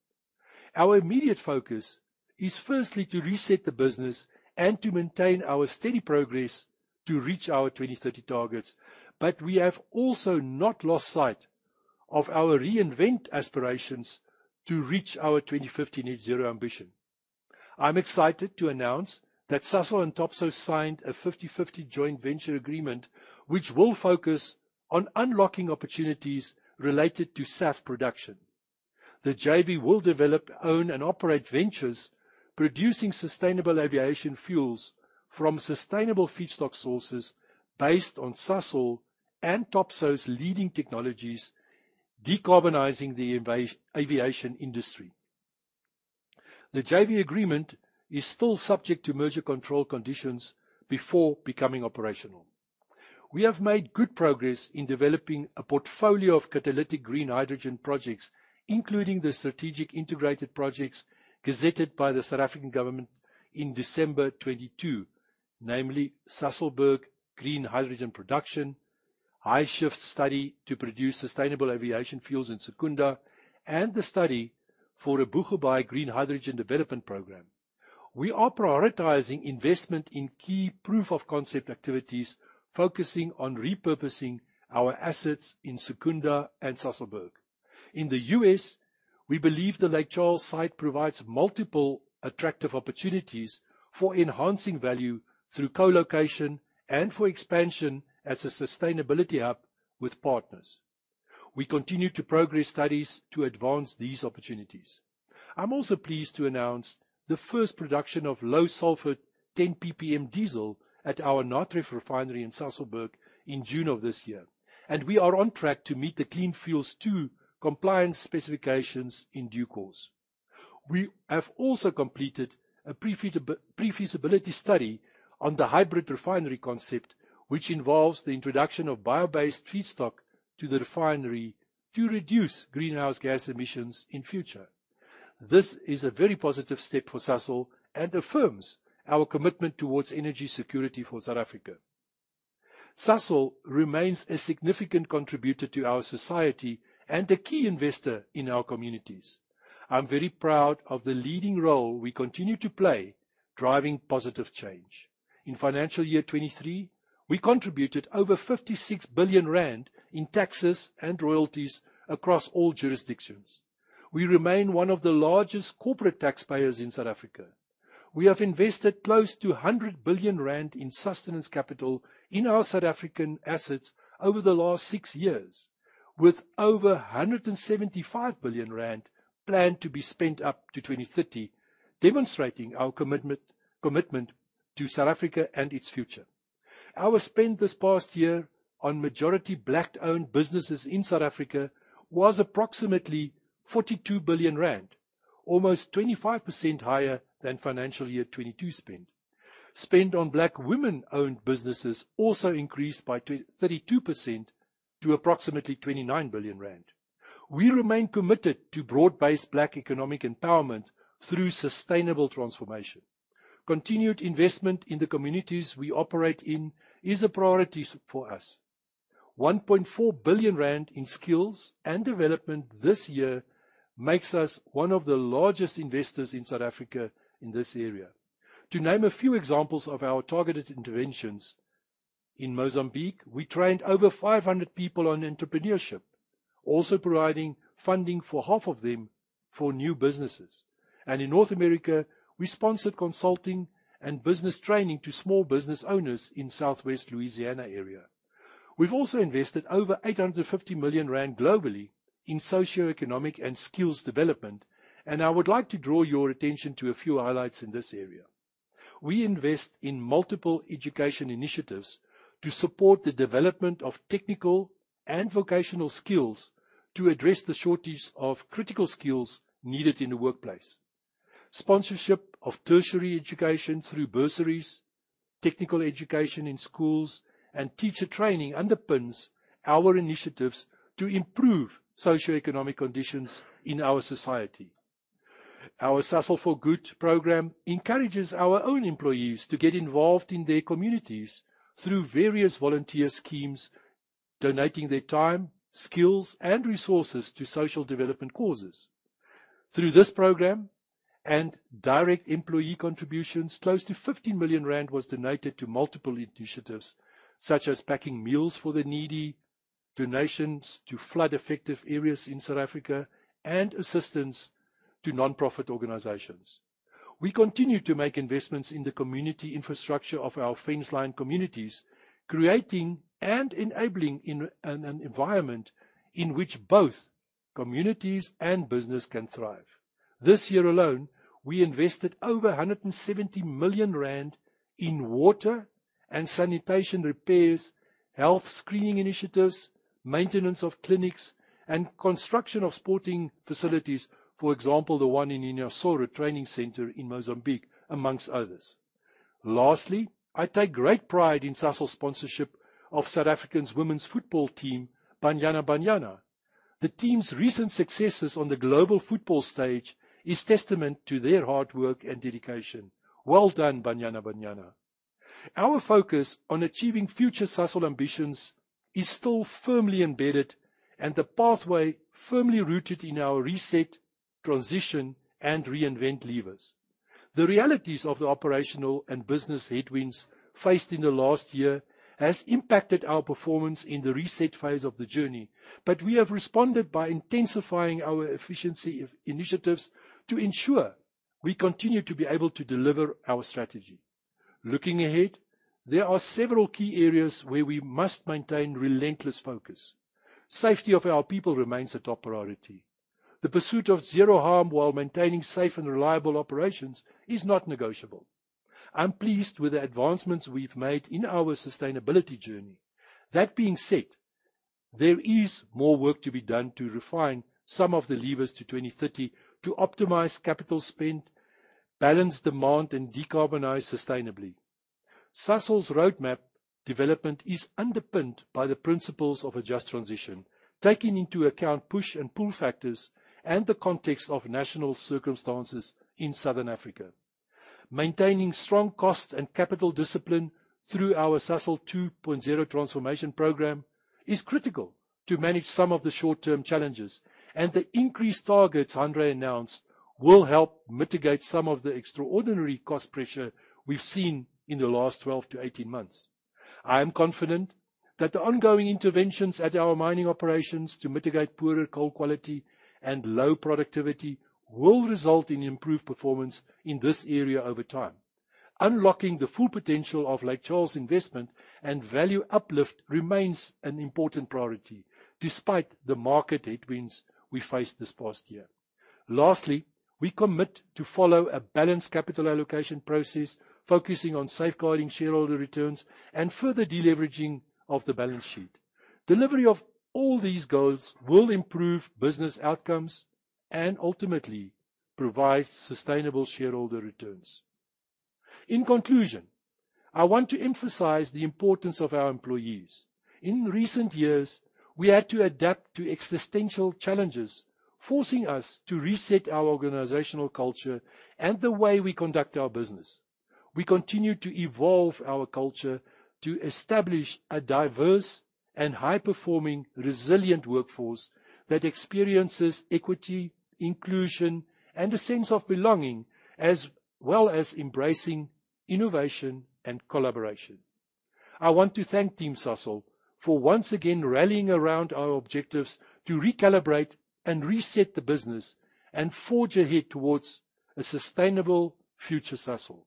Our immediate focus is firstly to reset the business and to maintain our steady progress to reach our 2030 targets, but we have also not lost sight of our reinvent aspirations to reach our 2050 net zero ambition. I'm excited to announce that Sasol and Topsoe signed a 50/50 joint venture agreement, which will focus on unlocking opportunities related to SAF production. The JV will develop, own, and operate ventures producing sustainable aviation fuels from sustainable feedstock sources based on Sasol and Topsoe's leading technologies, decarbonizing the aviation industry. The JV agreement is still subject to merger control conditions before becoming operational. We have made good progress in developing a portfolio of catalytic green hydrogen projects, including the strategic integrated projects gazetted by the South African government in December 2022, namely Sasolburg Green Hydrogen Production, HyShiFT study to produce sustainable aviation fuels in Secunda, and the study for a Boegoebaai Green Hydrogen Development Program. We are prioritizing investment in key proof of concept activities, focusing on repurposing our assets in Secunda and Sasolburg. In the U.S., we believe the Lake Charles site provides multiple attractive opportunities for enhancing value through co-location and for expansion as a sustainability hub with partners. We continue to progress studies to advance these opportunities. I'm also pleased to announce the first production of low sulfur 10 ppm diesel at our Natref Refinery in Sasolburg in June of this year, and we are on track to meet the Clean Fuels II compliance specifications in due course. We have also completed a pre-feasibility study on the hybrid refinery concept, which involves the introduction of bio-based feedstock to the refinery to reduce greenhouse gas emissions in future. This is a very positive step for Sasol and affirms our commitment towards energy security for South Africa. Sasol remains a significant contributor to our society and a key investor in our communities. I'm very proud of the leading role we continue to play, driving positive change. In financial year 2023, we contributed over 56 billion rand in taxes and royalties across all jurisdictions. We remain one of the largest corporate taxpayers in South Africa. We have invested close to 100 billion rand in sustenance capital in our South African assets over the last 6 years, with over 175 billion rand planned to be spent up to 2030, demonstrating our commitment, commitment to South Africa and its future. Our spend this past year on majority Black-owned businesses in South Africa was approximately 42 billion rand, almost 25% higher than financial year 2022 spend. Spend on Black women-owned businesses also increased by 32% - approximately 29 billion rand. We remain committed to broad-based Black economic empowerment through sustainable transformation. Continued investment in the communities we operate in is a priority for us. 1.4 billion rand in skills and development this year makes us one of the largest investors in South Africa in this area. To name a few examples of our targeted interventions, in Mozambique, we trained over 500 people on entrepreneurship, also providing funding for half of them for new businesses. In North America, we sponsored consulting and business training to small business owners in Southwest Louisiana area. We've also invested over 850 million rand globally in socioeconomic and skills development, and I would like to draw your attention to a few highlights in this area. We invest in multiple education initiatives to support the development of technical and vocational skills to address the shortage of critical skills needed in the workplace. Sponsorship of tertiary education through bursaries, technical education in schools, and teacher training underpins our initiatives to improve socioeconomic conditions in our society. Our Sasol for Good program encourages our own employees to get involved in their communities through various volunteer schemes, donating their time, skills, and resources to social development causes. Through this program and direct employee contributions, close to 50 million rand was donated to multiple initiatives, such as packing meals for the needy, donations to flood-affected areas in South Africa, and assistance to nonprofit organizations. We continue to make investments in the community infrastructure of our fenceline communities, creating and enabling in an environment in which both communities and business can thrive. This year alone, we invested over 170 million rand in water and sanitation repairs, health screening initiatives, maintenance of clinics, and construction of sporting facilities, for example, the one in Inhassoro Training Center in Mozambique, amongst others. Lastly, I take great pride in Sasol's sponsorship of South African women's football team, Banyana Banyana. The team's recent successes on the global football stage is testament to their hard work and dedication. Well done, Banyana Banyana! Our focus on achieving future Sasol ambitions is still firmly embedded and the pathway firmly rooted in our reset, transition, and reinvent levers. The realities of the operational and business headwinds faced in the last year has impacted our performance in the reset phase of the journey, but we have responded by intensifying our efficiency initiatives to ensure we continue to be able to deliver our strategy. Looking ahead, there are several key areas where we must maintain relentless focus. Safety of our people remains a top priority. The pursuit of zero harm while maintaining safe and reliable operations is not negotiable. I'm pleased with the advancements we've made in our sustainability journey. That being said, there is more work to be done to refine some of the levers to 2030 to optimize capital spend, balance demand, and decarbonize sustainably. Sasol's roadmap development is underpinned by the principles of a Just Transition, taking into account push and pull factors and the context of national circumstances in Southern Africa. Maintaining strong cost and capital discipline through our Sasol 2.0 transformation program is critical to manage some of the short-term challenges, and the increased targets Hanré announced will help mitigate some of the extraordinary cost pressure we've seen in the last 12-18 months. I am confident that the ongoing interventions at our mining operations to mitigate poorer coal quality and low productivity will result in improved performance in this area over time. Unlocking the full potential of Lake Charles investment and value uplift remains an important priority despite the market headwinds we faced this past year. Lastly, we commit to follow a balanced capital allocation process, focusing on safeguarding shareholder returns and further deleveraging of the balance sheet. Delivery of all these goals will improve business outcomes and ultimately provide sustainable shareholder returns. In conclusion, I want to emphasize the importance of our employees. In recent years, we had to adapt to existential challenges, forcing us to reset our organizational culture and the way we conduct our business. We continue to evolve our culture to establish a diverse and high-performing, resilient workforce that experiences equity, inclusion, and a sense of belonging, as well as embracing innovation and collaboration. I want to thank Team Sasol for once again rallying around our objectives to recalibrate and reset the business and forge ahead towards a sustainable future Sasol.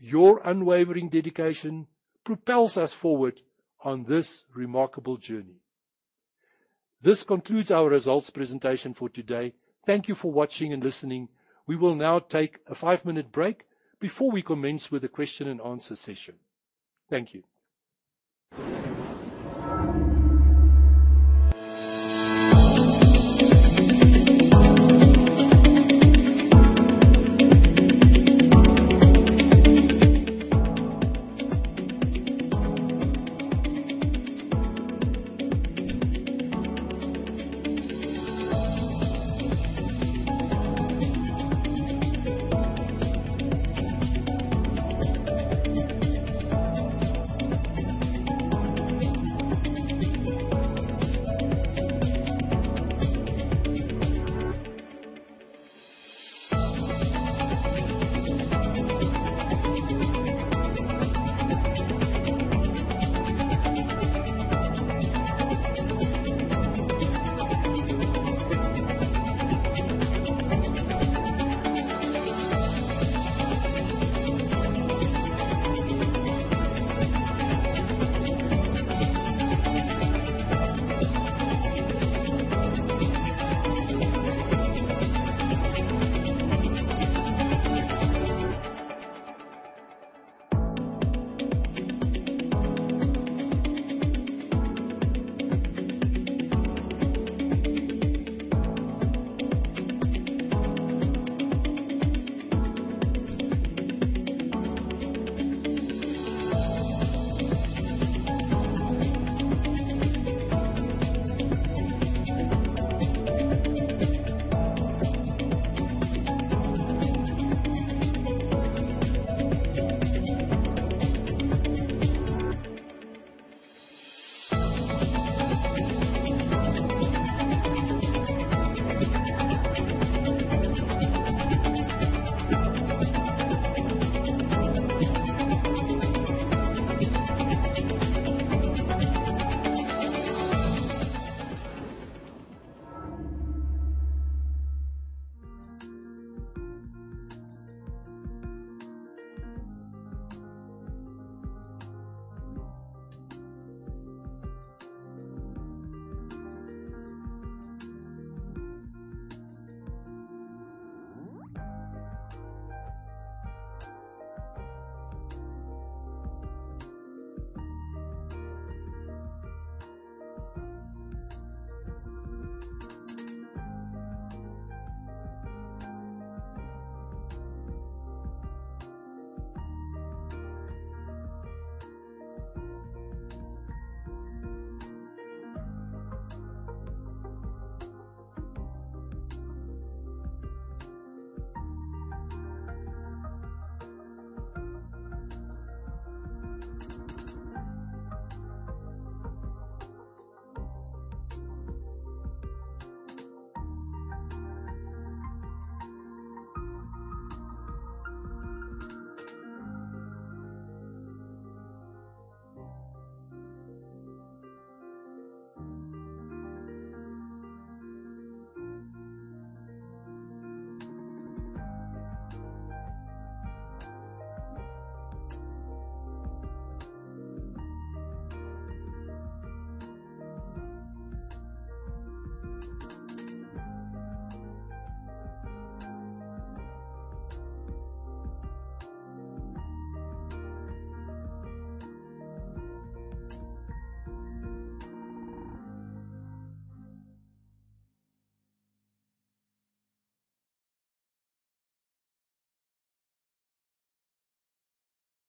Your unwavering dedication propels us forward on this remarkable journey. This concludes our results presentation for today. Thank you for watching and listening. We will now take a five-minute break before we commence with the question and answer session. Thank you.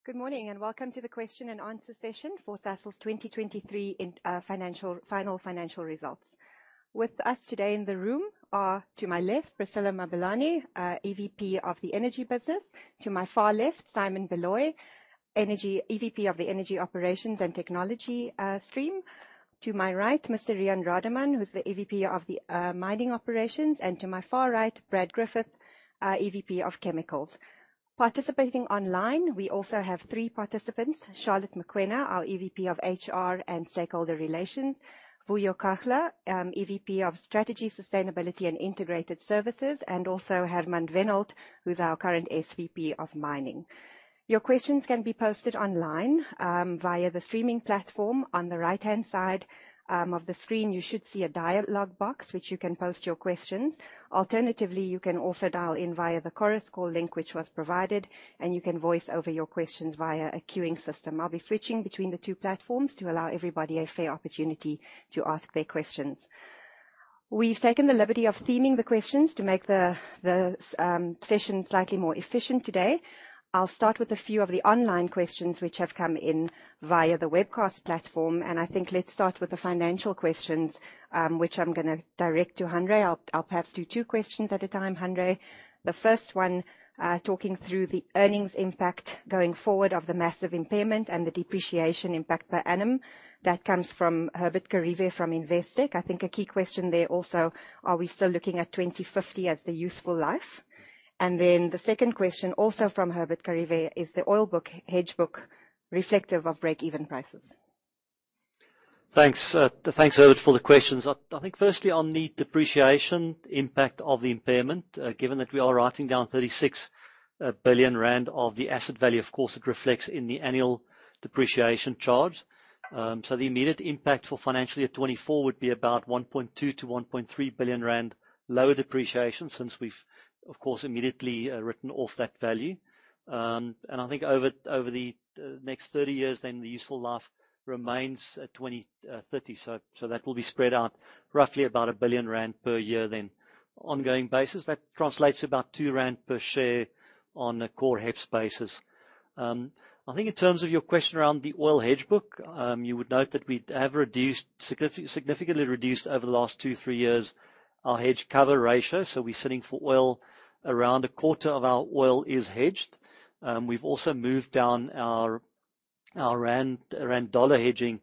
Good morning, and welcome to the question and answer session for Sasol's 2023 final financial results. With us today in the room are, to my left, Priscillah Mabelane, EVP of the Energy Business. To my far left, Simon Baloyi, EVP of the Energy Operations and Technology stream. To my right, Mr. Riaan Rademan, who's the EVP of the Mining Operations, and to my far right, Brad Griffith, EVP of Chemicals. Participating online, we also have three participants. Charlotte Mokoena, our EVP of HR and Stakeholder Relations, Vuyo Kahla, EVP of Strategy, Sustainability, and Integrated Services, and also Hermann Wenhold, who's our current SVP of Mining. Your questions can be posted online via the streaming platform. On the right-hand side of the screen, you should see a dialogue box, which you can post your questions. Alternatively, you can also dial in via the Chorus Call link, which was provided, and you can voice over your questions via a queuing system. I'll be switching between the two platforms to allow everybody a fair opportunity to ask their questions. We've taken the liberty of theming the questions to make the, the, session slightly more efficient today. I'll start with a few of the online questions which have come in via the webcast platform. I think let's start with the financial questions, which I'm gonna direct to Hanré. I'll, I'll perhaps do two questions at a time, Hanré. The first one, talking through the earnings impact going forward of the massive impairment and the depreciation impact per annum. That comes from Herbert Kharivhe from Investec. I think a key question there also, are we still looking at 2050 as the useful life? The second question, also from Herbert Kharivhe, is the oil book, hedge book reflective of breakeven prices? Thanks, Herbert, for the questions. I think firstly, on the depreciation impact of the impairment, given that we are writing down 36 billion rand of the asset value, of course, it reflects in the annual depreciation charge. So the immediate impact for financially at 2024 would be about 1.2 billion-1.3 billion rand lower depreciation since we've, of course, immediately written off that value. I think over the next 30 years, the useful life remains at 20, 30, so that will be spread out roughly about 1 billion rand per year, then ongoing basis. That translates to about 2 rand per share on a core HEPS basis. I think in terms of your question around the oil hedge book, you would note that we have reduced significantly reduced over the last two, three years, our hedge cover ratio, so we're sitting for oil. Around a quarter of our oil is hedged. We've also moved down our, our rand, rand-dollar hedging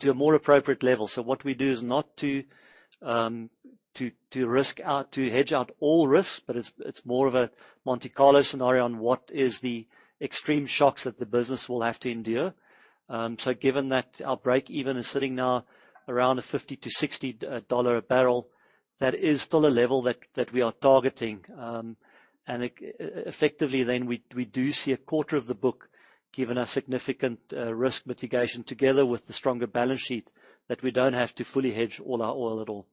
to a more appropriate level. What we do is not to, to, to risk out, to hedge out all risks, but it's, it's more of a Monte Carlo scenario on what is the extreme shocks that the business will have to endure. Given that our breakeven is sitting now around a $50-$60 a barrel, that is still a level that, that we are targeting. it effectively, then we, we do see a quarter of the book giving a significant risk mitigation together with the stronger balance sheet, that we don't have to fully hedge all our oil at all.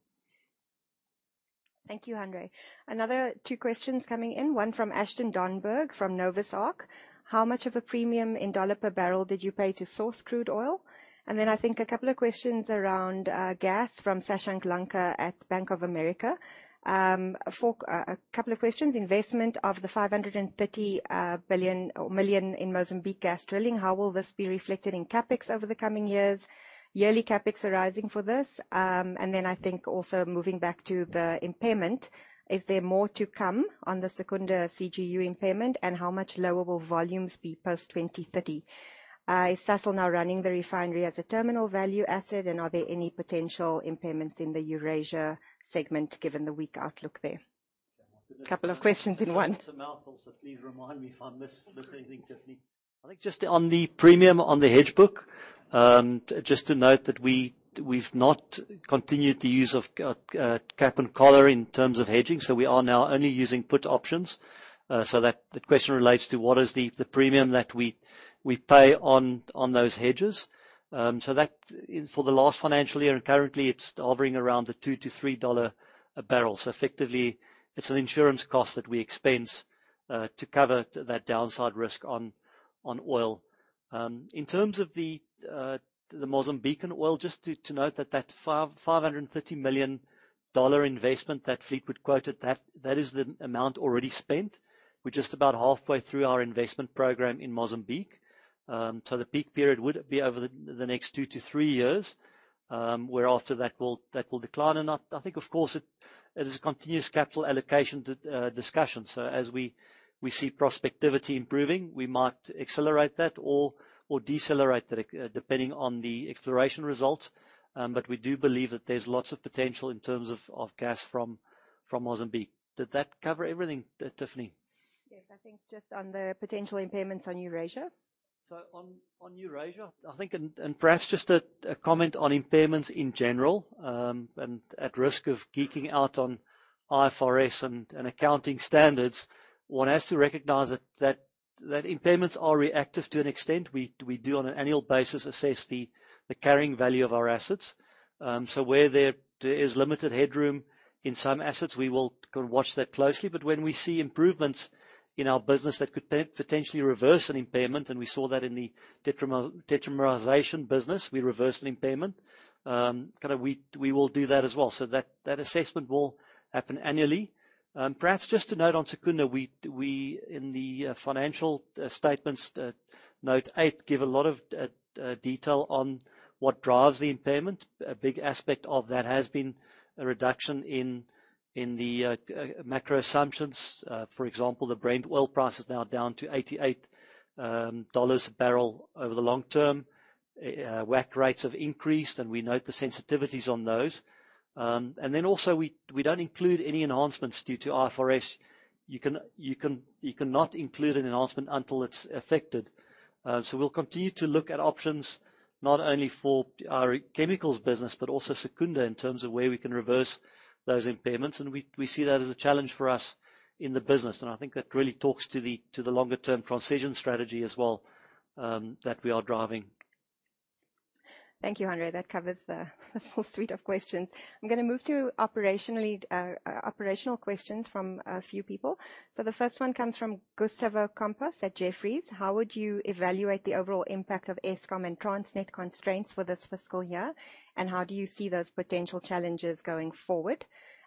Thank you, Hanré. Another 2 questions coming in, one from Ashton Domburg, from Noah Capital Markets. How much of a premium in dollar per barrel did you pay to source crude oil? I think a couple of questions around gas from Shashank Lanka at Bank of America. A couple of questions, investment of the $530 billion or million in Mozambique gas drilling, how will this be reflected in Capex over the coming years, yearly Capex arising for this? I think also moving back to the impairment, is there more to come on the Secunda CGU impairment, and how much lower will volumes be post 2030? Is Sasol now running the refinery as a terminal value asset, and are there any potential impairments in the Eurasia segment given the weak outlook there? Couple of questions in one. It's a mouthful, so please remind me if I miss, miss anything, Tiffany. I think just on the premium on the hedge book, just to note that we, we've not continued the use of cap and collar in terms of hedging, so we are now only using put options. That the question relates to what is the, the premium that we, we pay on, on those hedges. That for the last financial year and currently, it's hovering around the $2-$3 a barrel. Effectively, it's an insurance cost that we expense to cover that downside risk on oil. In terms of the Mozambique oil, just to note that that $530 million investment that Fleetwood quoted, that, that is the amount already spent. We're just about halfway through our investment program in Mozambique. The peak period would be over the next two to three years, whereafter that will, that will decline. I think, of course, it is a continuous capital allocation discussion. As we see prospectivity improving, we might accelerate that or decelerate it depending on the exploration results. We do believe that there's lots of potential in terms of gas from Mozambique. Did that cover everything, Tiffany? Yes. I think just on the potential impairments on Eurasia. On Eurasia, I think, and, and perhaps just a comment on impairments in general, and at risk of geeking out on IFRS and accounting standards, one has to recognize that, that, that impairments are reactive to an extent. We, we do, on an annual basis, assess the carrying value of our assets. Where there is limited headroom in some assets, we will go and watch that closely. When we see improvements in our business that could potentially reverse an impairment, and we saw that in the detrimentization business, we reversed an impairment. Kind of we, we will do that as well. That, that assessment will happen annually. Perhaps just to note on Secunda, we, we in the financial statements, note 8, give a lot of detail on what drives the impairment. A big aspect of that has been a reduction in, in the macro assumptions. For example, the Brent oil price is now down to $88 a barrel over the long term. WACC rates have increased, and we note the sensitivities on those. Then also, we, we don't include any enhancements due to IFRS. You can, you can, you cannot include an enhancement until it's affected. So we'll continue to look at options not only for our chemicals business, but also Secunda, in terms of where we can reverse those impairments. We, we see that as a challenge for us in the business, and I think that really talks to the, to the longer-term transition strategy as well, that we are driving. ... Thank you, Hanré. That covers the full suite of questions. I'm gonna move to operational questions from a few people. So the first one comes from Gustavo Campos at Jefferies: How would you evaluate the overall impact of Eskom and Transnet constraints for this fiscal year, and how do you see those potential challenges going forward?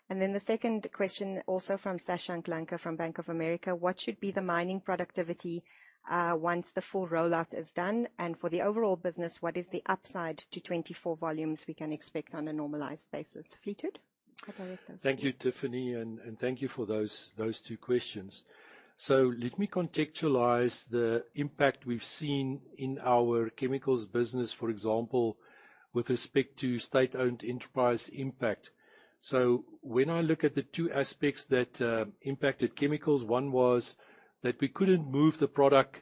And then the second question, also from Shashank Lanka from Bank of America: What should be the mining productivity once the full rollout is done? And for the overall business, what is the upside to 2024 volumes we can expect on a normalized basis? Fleetwood, I'll direct those to you. Thank you, Tiffany, and, and thank you for those, those two questions. Let me contextualize the impact we've seen in our chemicals business, for example, with respect to state-owned enterprise impact. When I look at the two aspects that impacted chemicals, one was that we couldn't move the product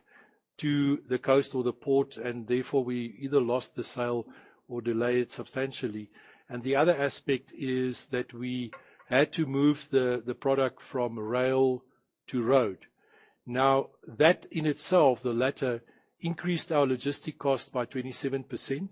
to the coast or the port, and therefore we either lost the sale or delayed it substantially. The other aspect is that we had to move the, the product from rail to road. That in itself, the latter, increased our logistic cost by 27%,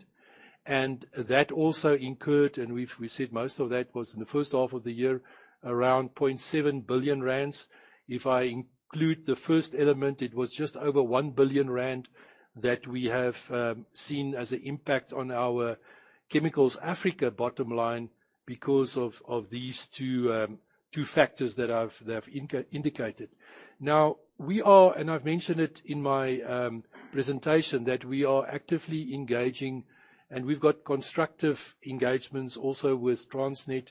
and that also incurred, and we've, we said most of that was in the first half of the year, around 0.7 billion rand. If I include the first element, it was just over 1 billion rand that we have seen as an impact on our Chemicals Africa bottom line because of these two factors that I've indicated. We are, and I've mentioned it in my presentation, that we are actively engaging, and we've got constructive engagements also with Transnet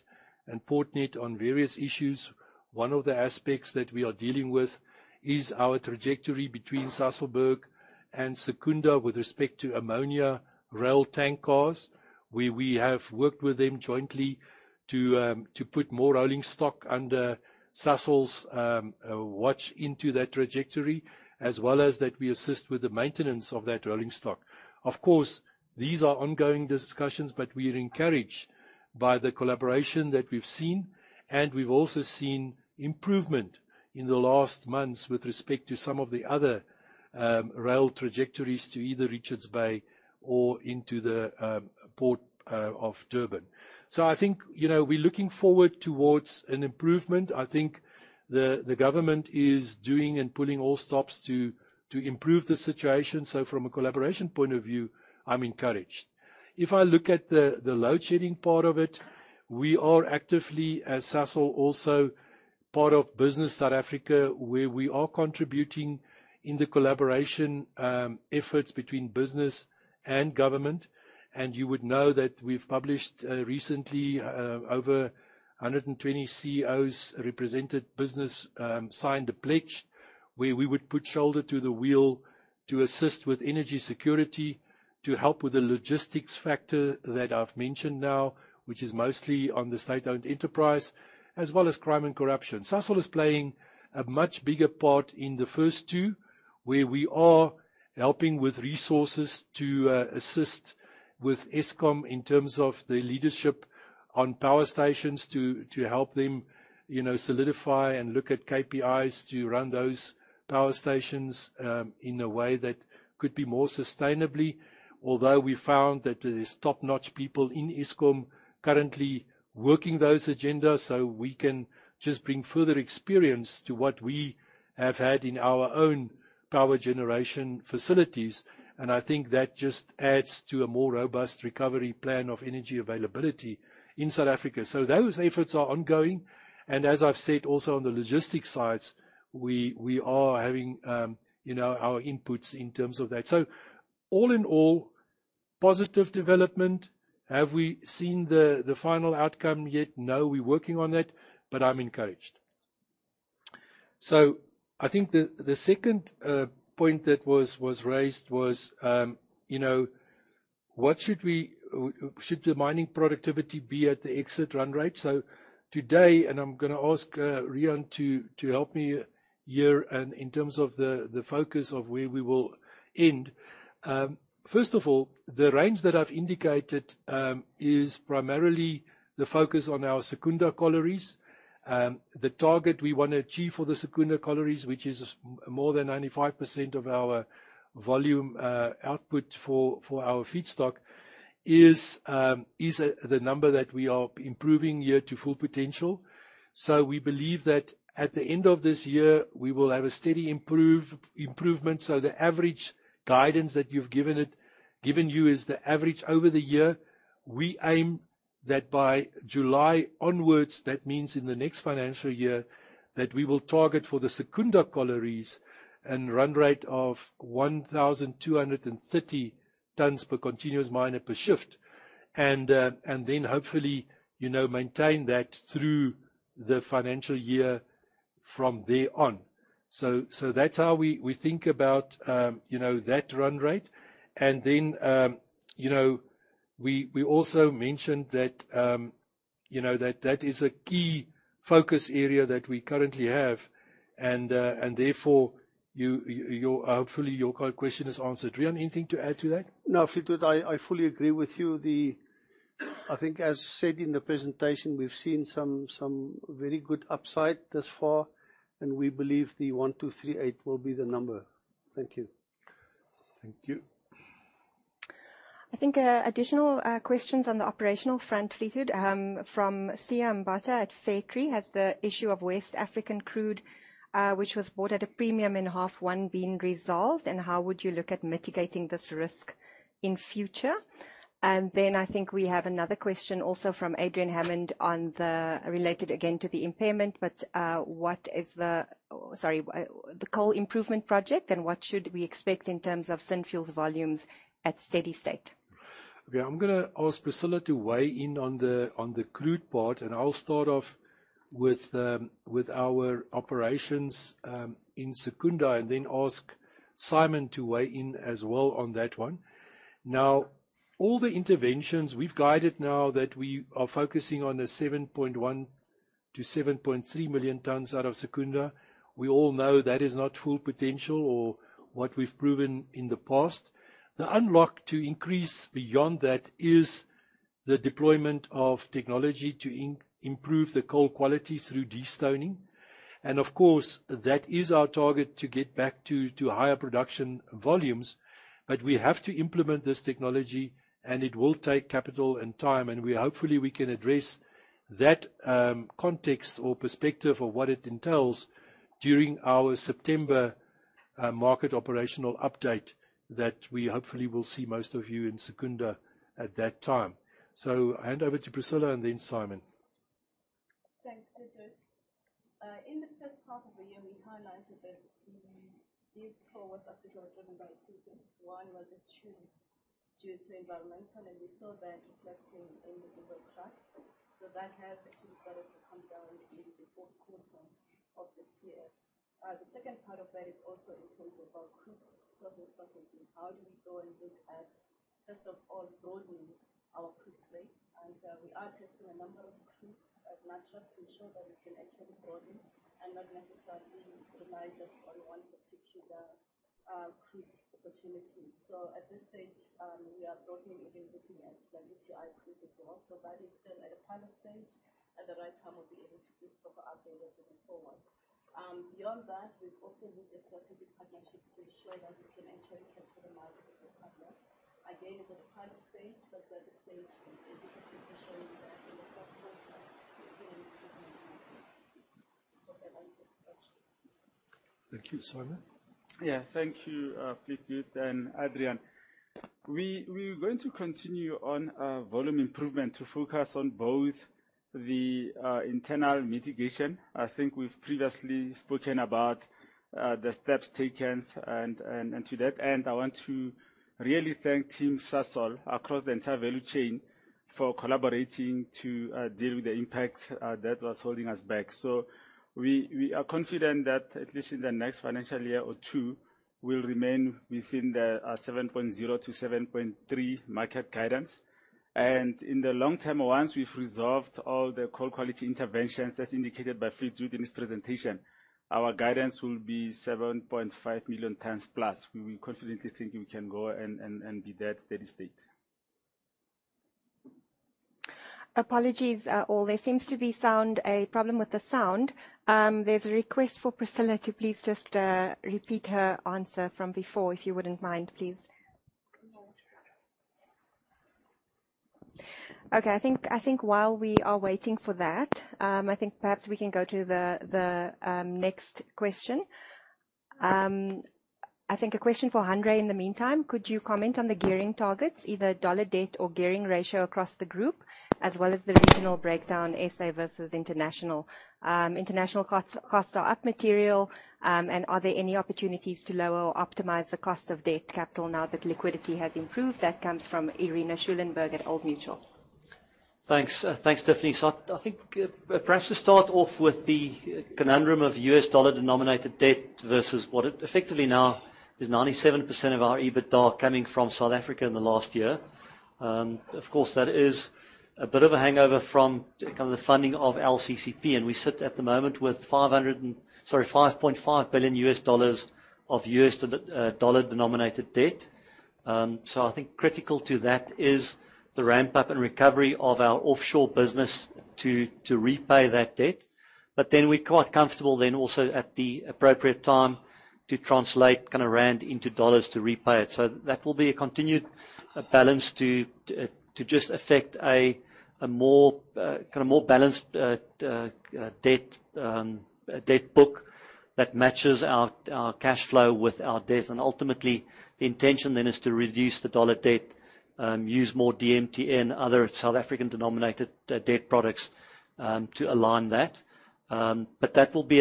and Portnet on various issues. One of the aspects that we are dealing with is our trajectory between Sasolburg and Secunda with respect to ammonia rail tank cars, where we have worked with them jointly to put more rolling stock under Sasol's watch into that trajectory, as well as that we assist with the maintenance of that rolling stock. Of course, these are ongoing discussions, but we are encouraged by the collaboration that we've seen, and we've also seen improvement in the last months with respect to some of the other, rail trajectories to either Richards Bay or into the, port, of Durban. I think, you know, we're looking forward towards an improvement. I think the, the government is doing and pulling all stops to, to improve the situation. From a collaboration point of view, I'm encouraged. If I look at the, the load-shedding part of it, we are actively, as Sasol, also part of Business South Africa, where we are contributing in the collaboration, efforts between business and government. You would know that we've published recently over 120 CEOs represented business signed a pledge where we would put shoulder to the wheel to assist with energy security, to help with the logistics factor that I've mentioned now, which is mostly on the state-owned enterprise, as well as crime and corruption. Sasol is playing a much bigger part in the first two, where we are helping with resources to assist with Eskom in terms of the leadership on power stations, to, to help them, you know, solidify and look at KPIs to run those power stations in a way that could be more sustainably. Although, we found that there is top-notch people in Eskom currently working those agendas, so we can just bring further experience to what we have had in our own power generation facilities. I think that just adds to a more robust recovery plan of energy availability in South Africa. Those efforts are ongoing, and as I've said also on the logistics sides, we, we are having, you know, our inputs in terms of that. All in all, positive development. Have we seen the, the final outcome yet? No, we're working on that, but I'm encouraged. I think the second point that was raised was, you know, what should we... Should the mining productivity be at the exit run rate? Today, and I'm gonna ask Riaan, to help me here in terms of the focus of where we will end. First of all, the range that I've indicated, is primarily the focus on our Secunda collieries. The target we want to achieve for the Secunda collieries, which is more than 95% of our volume output for, for our feedstock, is the number that we are improving year to full potential. We believe that at the end of this year, we will have a steady improvement, so the average guidance that you've given you, is the average over the year. We aim that by July onwards, that means in the next financial year, that we will target for the Secunda collieries, a run rate of 1,230 tons per continuous miner per shift. Then hopefully, you know, maintain that through the financial year from there on. That's how we, we think about, you know, that run rate. Then, you know, we, we also mentioned that, you know, that that is a key focus area that we currently have, and therefore, you, your, hopefully, your question is answered. Riaan, anything to add to that? No, Fleetwood, I, I fully agree with you. I think as said in the presentation, we've seen some, some very good upside thus far. We believe the 1,238 will be the number. Thank you. Thank you. I think, additional questions on the operational front, Fleetwood, from Thato Mbatha at Fairtree. Has the issue of West African crude, which was bought at a premium in half one, been resolved, and how would you look at mitigating this risk in future? Then I think we have another question also from Adrian Hammond on the, related again to the impairment, but, what is the... Sorry, the coal improvement project, and what should we expect in terms of Synfuels volumes at steady state? Okay, I'm gonna ask Priscillah to weigh in on the, on the crude part. I'll start off with our operations in Secunda, then ask Simon to weigh in as well on that one. All the interventions we've guided now that we are focusing on a 7.1 million-7.3 million tons out of Secunda, we all know that is not full potential or what we've proven in the past. The unlock to increase beyond that is the deployment of technology to improve the coal quality through de-stoning, and of course, that is our target to get back to higher production volumes. We have to implement this technology, and it will take capital and time, and we hopefully we can address that context or perspective of what it entails during our September market operational update, that we hopefully will see most of you in Secunda at that time. I hand over to Priscillah and then Simon. Thanks, Fleetwood. In the first half of the year, we highlighted that the diffs for what are driven by 2 things. 1 was the turn due to environmental, and we saw that reflecting in the diesel cracks. That has actually started to come down in the Q4 of this year. The second part of that is also in terms of our crude source of potential. How do we go and look at, first of all, broadening our crude slate? We are testing a number of crudes at Natref to ensure that we can actually grow them and not necessarily rely just on 1 particular crude opportunity. At this stage, we are broadening and then looking at the WTI crude as well. That is still at a pilot stage. At the right time, we'll be able to give proper updates as moving forward. Beyond that, we've also built a strategic partnerships to ensure that we can actually cater the market to recover. Again, at the pilot stage, but at this stage, indicating, showing that in the Q4, we've seen an improvement in this. Hope that answers the question. Thank you. Simon? Thank you, Fleetwood and Adrian. We, we're going to continue on volume improvement to focus on both the internal mitigation. I think we've previously spoken about the steps taken and, and, and to that, and I want to really thank Team Sasol across the entire value chain for collaborating to deal with the impact that was holding us back. We, we are confident that at least in the next financial year or two, we'll remain within the 7.0-7.3 market guidance. In the long term, once we've resolved all the coal quality interventions, as indicated by Fleetwood in his presentation, our guidance will be 7.5 million tons plus. We confidently think we can go and, and, and be that steady state. Apologies, all. There seems to be sound. A problem with the sound. There's a request for Priscillah to please just repeat her answer from before, if you wouldn't mind, please. Sure. Okay. I think, I think while we are waiting for that, I think perhaps we can go to the next question. I think a question for Hanré in the meantime: Could you comment on the gearing targets, either dollar debt or gearing ratio across the group, as well as the regional breakdown, SA versus international? International costs are up material. Are there any opportunities to lower or optimize the cost of debt capital now that liquidity has improved? That comes from Ilana Dolenko at Old Mutual. Thanks. Thanks, Tiffany. I think, perhaps to start off with the conundrum of US dollar-denominated debt versus what it effectively now is 97% of our EBITDA coming from South Africa in the last year. Of course, that is a bit of a hangover from kind of the funding of LCCP. We sit at the moment with $5.5 billion of US dollar-denominated debt. I think critical to that is the ramp-up and recovery of our offshore business to repay that debt. We're quite comfortable then also at the appropriate time, to translate kind of rand into dollars to repay it. That will be a continued balance to just affect a more kind of more balanced debt, a debt book that matches our cash flow with our debt, and ultimately the intention then is to reduce the dollar debt, use more DMTN and other South African-denominated debt products to align that. That will be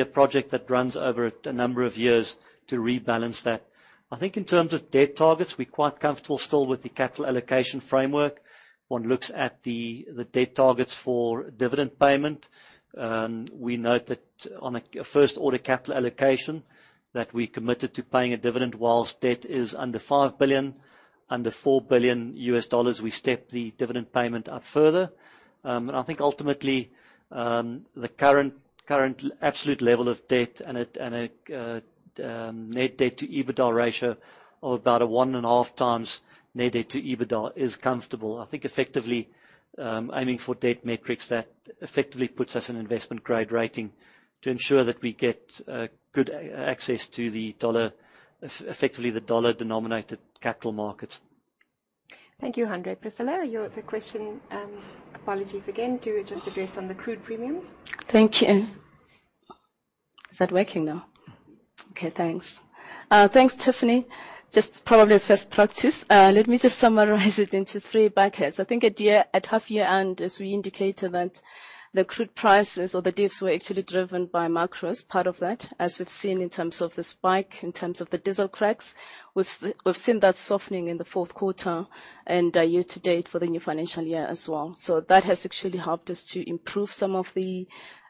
a project that runs over a number of years to rebalance that. I think in terms of debt targets, we're quite comfortable still with the capital allocation framework. One looks at the debt targets for dividend payment, we note that on a first-order capital allocation, that we committed to paying a dividend whilst debt is under $5 billion. Under $4 billion, we step the dividend payment up further. I think ultimately, the current absolute level of debt and a net debt to EBITDA ratio of about 1.5 times net debt to EBITDA is comfortable. I think effectively, aiming for debt metrics that effectively puts us in investment grade rating to ensure that we get good access to the dollar, effectively, the dollar-denominated capital markets. Thank you, Andre. Priscillah, your the question, apologies again to just address on the crude premiums. Thank you. Is that working now? Okay, thanks. Thanks, Tiffany. Just probably first practice. Let me just summarize it into three buckets. I think at half year end, as we indicated, that the crude prices or the diffs were actually driven by macros, part of that, as we've seen in terms of the spike, in terms of the diesel cracks. We've seen that softening in the Q4 and year to date for the new financial year as well. That has actually helped us to improve some of the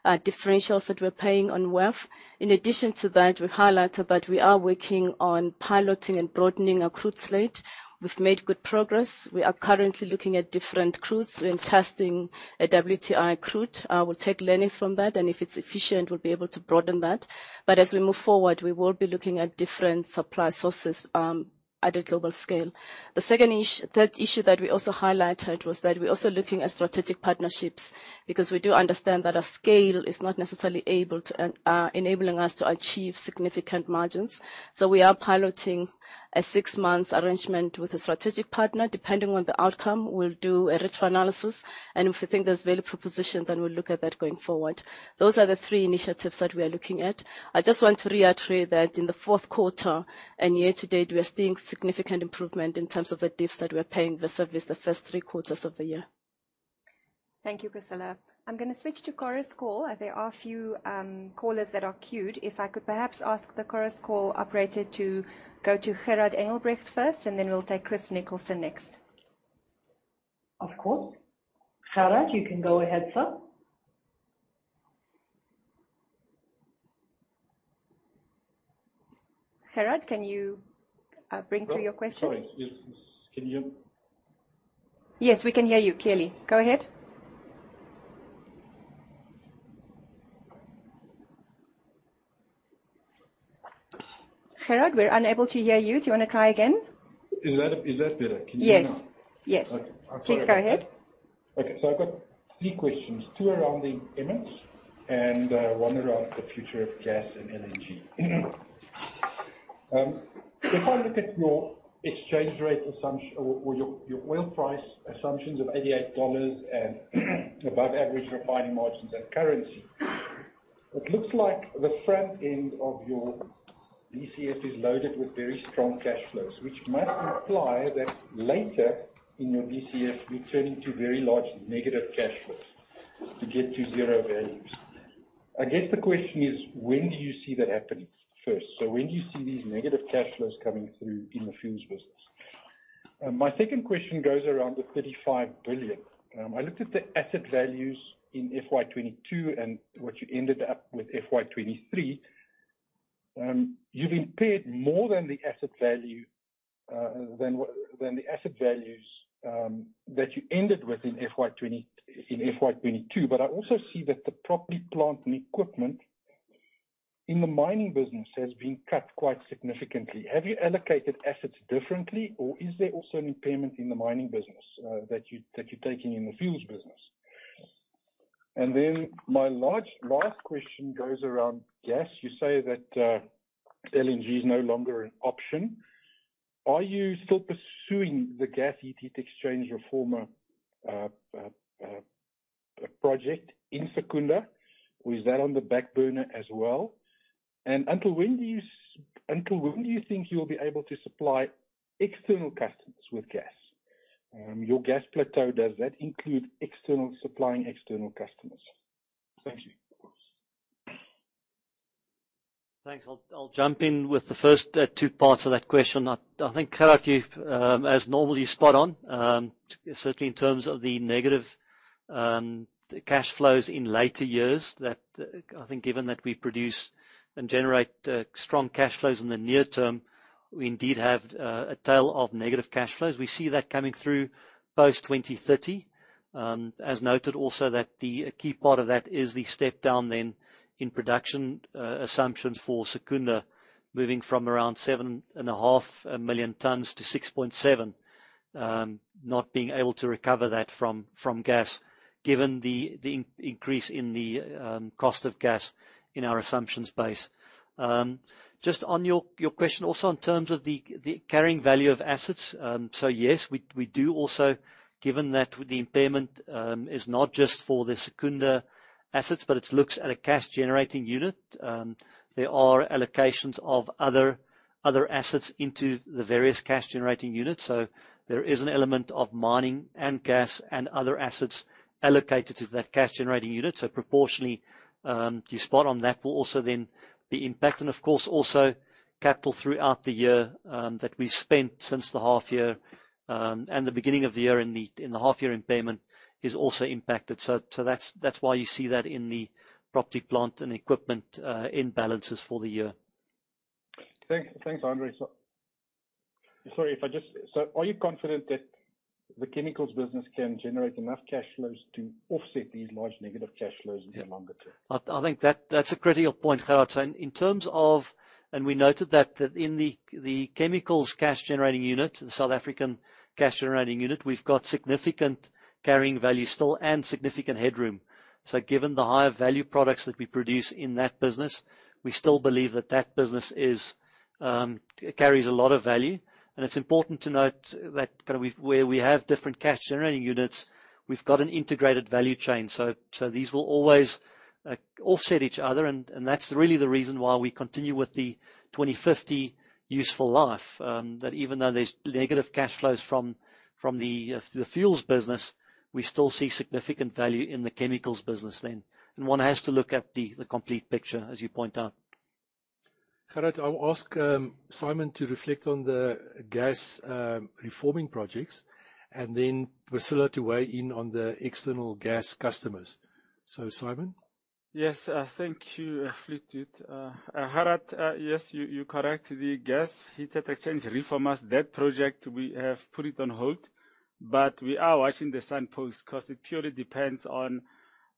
differentials that we're paying on WAF. In addition to that, we highlighted that we are working on piloting and broadening our crude slate. We've made good progress. We are currently looking at different crudes. We're testing a WTI crude. We'll take learnings from that, and if it's efficient, we'll be able to broaden that. As we move forward, we will be looking at different supply sources, at a global scale. The third issue that we also highlighted was that we're also looking at strategic partnerships because we do understand that our scale is not necessarily able to, enabling us to achieve significant margins. We are piloting a 6-months arrangement with a strategic partner. Depending on the outcome, we'll do a retro analysis, and if we think there's value proposition, then we'll look at that going forward. Those are the 3 initiatives that we are looking at. I just want to reiterate that in the Q4 and year to date, we are seeing significant improvement in terms of the diffs that we're paying versus the first 3 quarters of the year. Thank you, Priscillah. I'm gonna switch to chorus call, as there are a few, callers that are queued. If I could perhaps ask the chorus call operator to go to Gerhard Engelbrecht first, and then we'll take Christopher Nicholson next. Of course. Gerhard, you can go ahead, sir. Gerhard, can you bring through your question? Sorry, you... Can you hear me? Yes, we can hear you clearly. Go ahead. Gerhard, we're unable to hear you. Do you want to try again? Is that, is that better? Can you hear now? Yes. Yes. Okay. Please go ahead. Okay, I've got 3 questions: 2 around the image and 1 around the future of gas and LNG. If I look at your exchange rate or, or your, your oil price assumptions of $88 and above average refining margins and currency, it looks like the front end of your DCF is loaded with very strong cash flows, which must imply that later in your DCF, you turn into very large negative cash flows to get to zero values. I guess the question is: when do you see that happening, first? When do you see these negative cash flows coming through in the fuels business? My second question goes around the $35 billion. I looked at the asset values in FY 2022 and what you ended up with FY 2023. You've impaired more than the asset value than what... than the asset values, that you ended with in FY 2022. I also see that the property, plant, and equipment in the mining business has been cut quite significantly. Have you allocated assets differently, or is there also an impairment in the mining business that you, that you're taking in the fuels business? Then my last question goes around gas. You say that LNG is no longer an option. Are you still pursuing the gas heat exchange reformers project in Secunda, or is that on the back burner as well? Until when do you think you will be able to supply external customers with gas? Your gas plateau, does that include external, supplying external customers? Thank you. Of course. Thanks. I'll, I'll jump in with the first two parts of that question. I think, Gerhard, you've, as normal, you're spot on. Certainly in terms of the negative cash flows in later years, that, I think given that we produce and generate strong cash flows in the near term, we indeed have a tail of negative cash flows. We see that coming through post 2030. As noted, also that the key part of that is the step-down then in production assumptions for Secunda, moving from around 7.5 million tons to 6.7. Not being able to recover that from, from gas, given the increase in the cost of gas in our assumptions base. Just on your question also in terms of the carrying value of assets. Yes, we, we do also. Given that the impairment is not just for the Secunda assets, but it looks at a cash-generating unit. There are allocations of other, other assets into the various cash-generating units, so there is an element of mining and gas and other assets allocated to that cash-generating unit. Proportionally, you're spot on. That will also then be impacted, and of course, also capital throughout the year that we've spent since the half year and the beginning of the year in the half year impairment is also impacted. That's why you see that in the property, plant, and equipment in balances for the year. Thanks. Thanks, Hanré. Sorry, if I... are you confident that the chemicals business can generate enough cash flows to offset these large negative cash flows in the longer term? I think that, that's a critical point, Gerhard. In terms of, we noted that in the chemicals cash-generating unit, the South African cash-generating unit, we've got significant carrying value still and significant headroom. Given the higher value products that we produce in that business, we still believe that that business carries a lot of value. It's important to note that kind of where we have different cash-generating units, we've got an integrated value chain. These will always offset each other, and that's really the reason why we continue with the 2050 useful life. That even though there's negative cash flows from the fuels business, we still see significant value in the chemicals business then. One has to look at the complete picture, as you point out. Gerrit, I'll ask Simon to reflect on the gas reforming projects, and then Priscillah to weigh in on the external gas customers. Simon? Yes, thank you, Fleetwood. Gerrit, yes, you, you correct, the gas heat exchange reformers, that project, we have put it on hold, but we are watching the signposts 'cause it purely depends on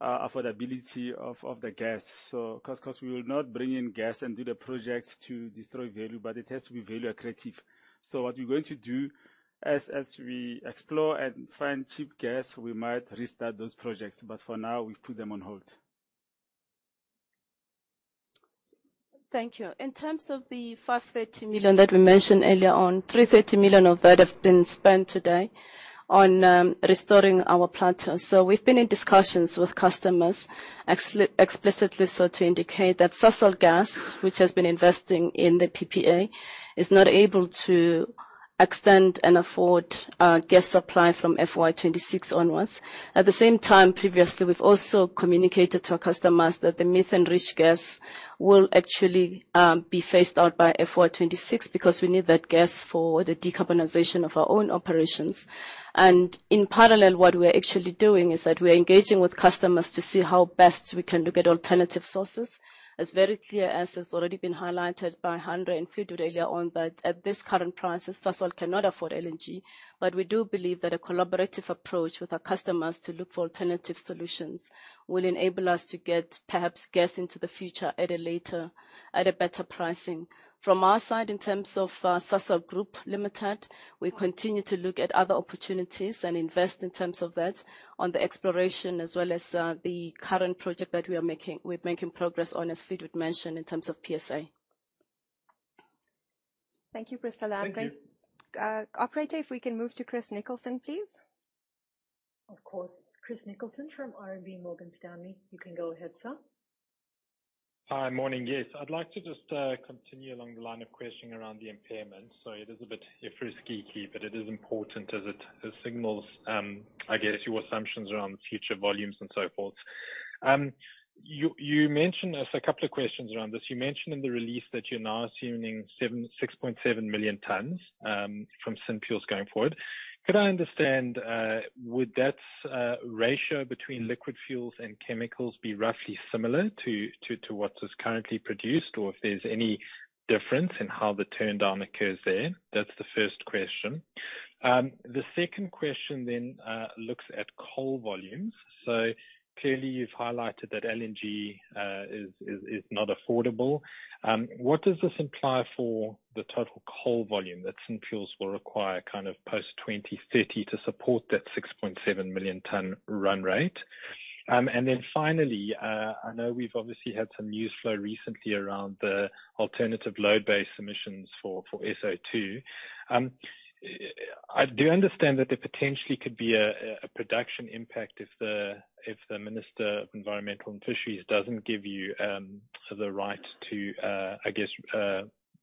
affordability of the gas. 'Cause, 'cause we will not bring in gas and do the projects to destroy value, but it has to be value attractive. What we're going to do, as, as we explore and find cheap gas, we might restart those projects, but for now, we've put them on hold. Thank you. In terms of the 530 million that we mentioned earlier on, 330 million of that have been spent today on restoring our plateau. We've been in discussions with customers, explicitly so to indicate that Sasol Gas, which has been investing in the PPA, is not able to extend and afford gas supply from FY 2026 onwards. At the same time, previously, we've also communicated to our customers that the methane rich gas will actually be phased out by FY 2026 because we need that gas for the decarbonization of our own operations. In parallel, what we're actually doing is that we're engaging with customers to see how best we can look at alternative sources. It's very clear, as has already been highlighted by Hanré and Fleetwood earlier on, that at this current prices, Sasol cannot afford LNG. We do believe that a collaborative approach with our customers to look for alternative solutions will enable us to get perhaps gas into the future at a later... at a better pricing. From our side, in terms of Sasol Group Limited, we continue to look at other opportunities and invest in terms of that on the exploration, as well as the current project that we're making progress on, as Fleetwood mentioned, in terms of PSA. Thank you, Priscillah. Thank you. operator, if we can move to Christopher Nicholson, please. Of course. Christopher Nicholson from RMB Morgan Stanley, you can go ahead, sir. Hi. Morning. Yes, I'd like to just continue along the line of questioning around the impairment. It is a bit frisky, but it is important as it, it signals, I guess, your assumptions around future volumes and so forth. There's a couple of questions around this. You mentioned in the release that you're now assuming 6.7 million tonnes from Synfuels going forward. Could I understand, would that ratio between liquid fuels and chemicals be roughly similar to what is currently produced? Or if there's any difference in how the turndown occurs there? That's the first question. The second question then looks at coal volumes. Clearly, you've highlighted that LNG is not affordable. What does this imply for the total coal volume that Synfuels will require kind of post-2030 to support that 6.7 million ton run rate? Then finally, I know we've obviously had some news flow recently around the alternative load-based emissions for SO2. I do understand that there potentially could be a production impact if the Minister of Environmental and Fisheries doesn't give you the right to, I guess,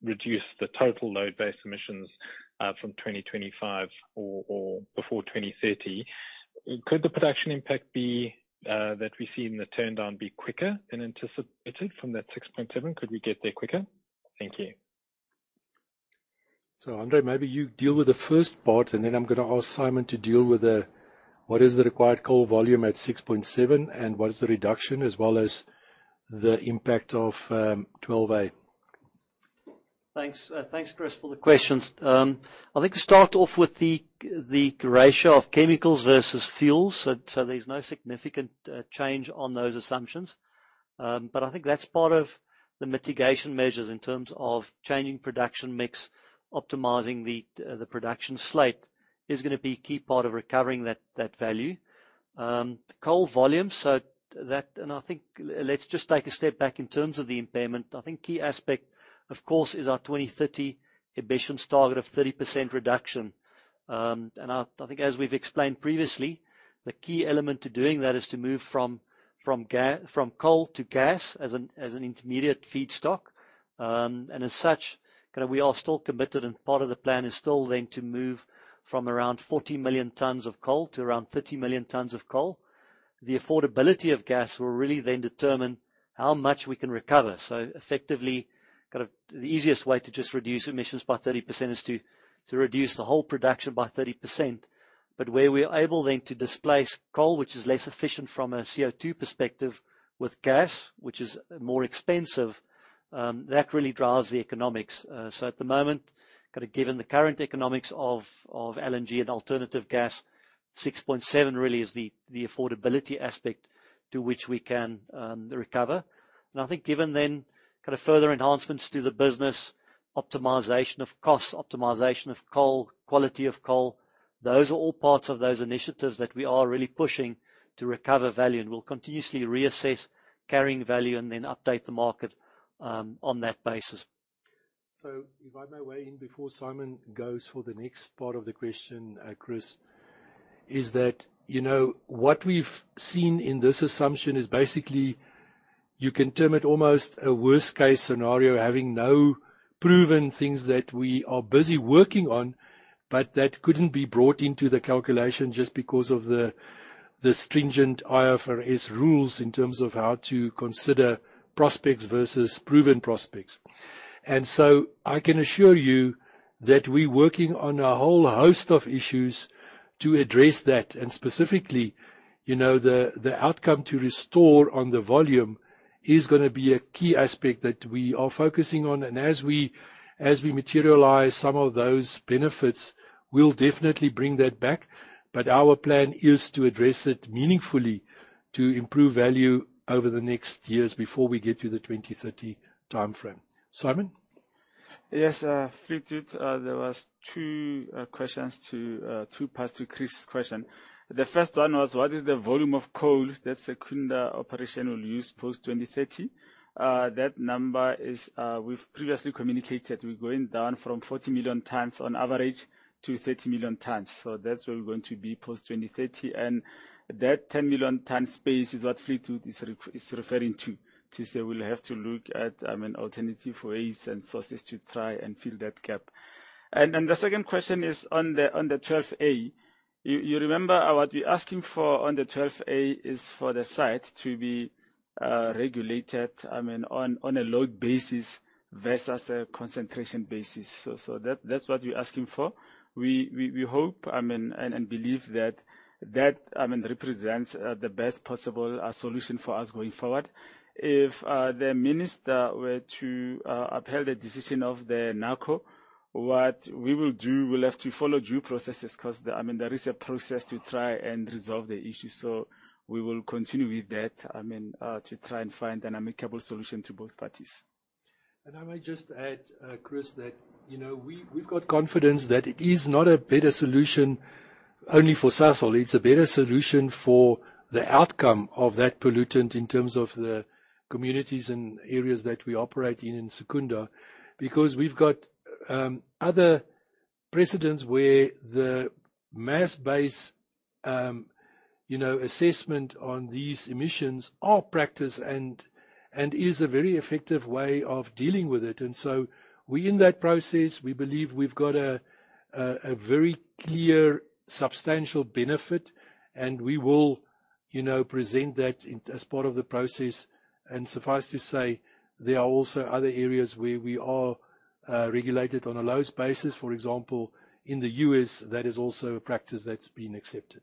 reduce the total load-based emissions from 2025 or before 2030. Could the production impact be that we see in the turndown be quicker than anticipated from that 6.7? Could we get there quicker? Thank you. Andre, maybe you deal with the first part, and then I'm gonna ask Simon to deal with the, what is the required coal volume at 6.7, and what is the reduction, as well as the impact of 12A. Thanks, thanks, Chris, for the questions. I think to start off with the, the ratio of chemicals versus fuels, so, so there's no significant change on those assumptions. I think that's part of the mitigation measures in terms of changing production mix, optimizing the production slate, is gonna be a key part of recovering that, that value. Coal volume, I think let's just take a step back in terms of the impairment. I think key aspect, of course, is our 2030 emissions target of 30% reduction. I, I think as we've explained previously, the key element to doing that is to move from, from coal to gas as an, as an intermediate feedstock. As such, we are still committed, and part of the plan is still then to move from around 40 million tons of coal to around 30 million tons of coal. The affordability of gas will really then determine how much we can recover. Effectively, the easiest way to just reduce emissions by 30% is to reduce the whole production by 30%. Where we're able then to displace coal, which is less efficient from a CO2 perspective, with gas, which is more expensive, that really drives the economics. At the moment, given the current economics of LNG and alternative gas, 6.7 really is the affordability aspect to which we can recover. I think given then further enhancements to the business, optimization of costs, optimization of coal, quality of coal. Those are all parts of those initiatives that we are really pushing to recover value, and we'll continuously reassess carrying value and then update the market on that basis. If I may weigh in before Simon goes for the next part of the question, Chris, is that, you know, what we've seen in this assumption is basically you can term it almost a worst-case scenario, having no proven things that we are busy working on, but that couldn't be brought into the calculation just because of the stringent IFRS rules in terms of how to consider prospects versus proven prospects. I can assure you that we're working on a whole host of issues to address that, and specifically, you know, the outcome to restore on the volume is gonna be a key aspect that we are focusing on, and as we materialize some of those benefits, we'll definitely bring that back. Our plan is to address it meaningfully to improve value over the next years before we get to the 2030 timeframe. Simon? Yes, Fleetwood, there was 2 questions to 2 parts to Chris's question. The first one was: What is the volume of coal that Secunda Operations will use post 2030? That number is, we've previously communicated, we're going down from 40 million tons on average to 30 million tons, so that's where we're going to be post 2030. That 10 million ton space is what Fleetwood is referring to, to say we'll have to look at alternative ways and sources to try and fill that gap. The second question is on the, on the 12A. You, you remember what we're asking for on the 12A is for the site to be regulated, I mean, on, on a load basis versus a concentration basis. That's what we're asking for. We, we, we hope, and, and believe that that, I mean, represents the best possible solution for us going forward. If the minister were to uphold the decision of the NAQO, what we will do, we'll have to follow due processes 'cause, I mean, there is a process to try and resolve the issue, we will continue with that, I mean, to try and find an amicable solution to both parties. I might just add, Chris, that, you know, we, we've got confidence that it is not a better solution only for Sasol, it's a better solution for the outcome of that pollutant in terms of the communities and areas that we operate in in Secunda. Because we've got other precedents where the mass base, you know, assessment on these emissions are practiced and, and is a very effective way of dealing with it. We in that process, we believe we've got a, a, a very clear, substantial benefit, and we will, you know, present that in as part of the process. Suffice to say, there are also other areas where we are regulated on a load basis. For example, in the U.S., that is also a practice that's been accepted.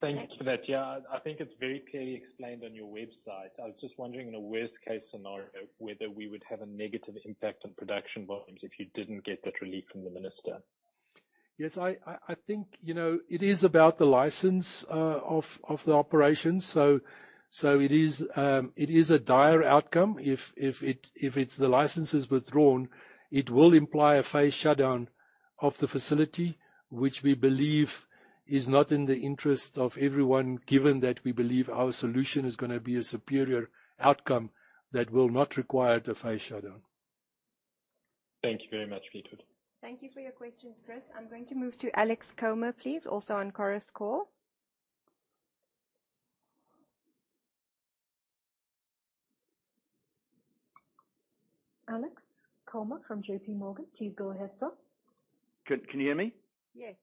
Thank you for that. Yeah, I think it's very clearly explained on your website. I was just wondering, in a worst-case scenario, whether we would have a negative impact on production volumes if you didn't get that relief from the minister. Yes, I, I, I think, you know, it is about the license of the operations. So it is, it is a dire outcome. If, if it, if it's the license is withdrawn, it will imply a phase shutdown of the facility, which we believe is not in the interest of everyone, given that we believe our solution is gonna be a superior outcome that will not require the phase shutdown. Thank you very much, Fleetwood. Thank you for your questions, Chris. I'm going to move to Alex Comer, please, also on Chorus Call. Alex Comer from JP Morgan, please go ahead, sir. Good. Can you hear me? Yes.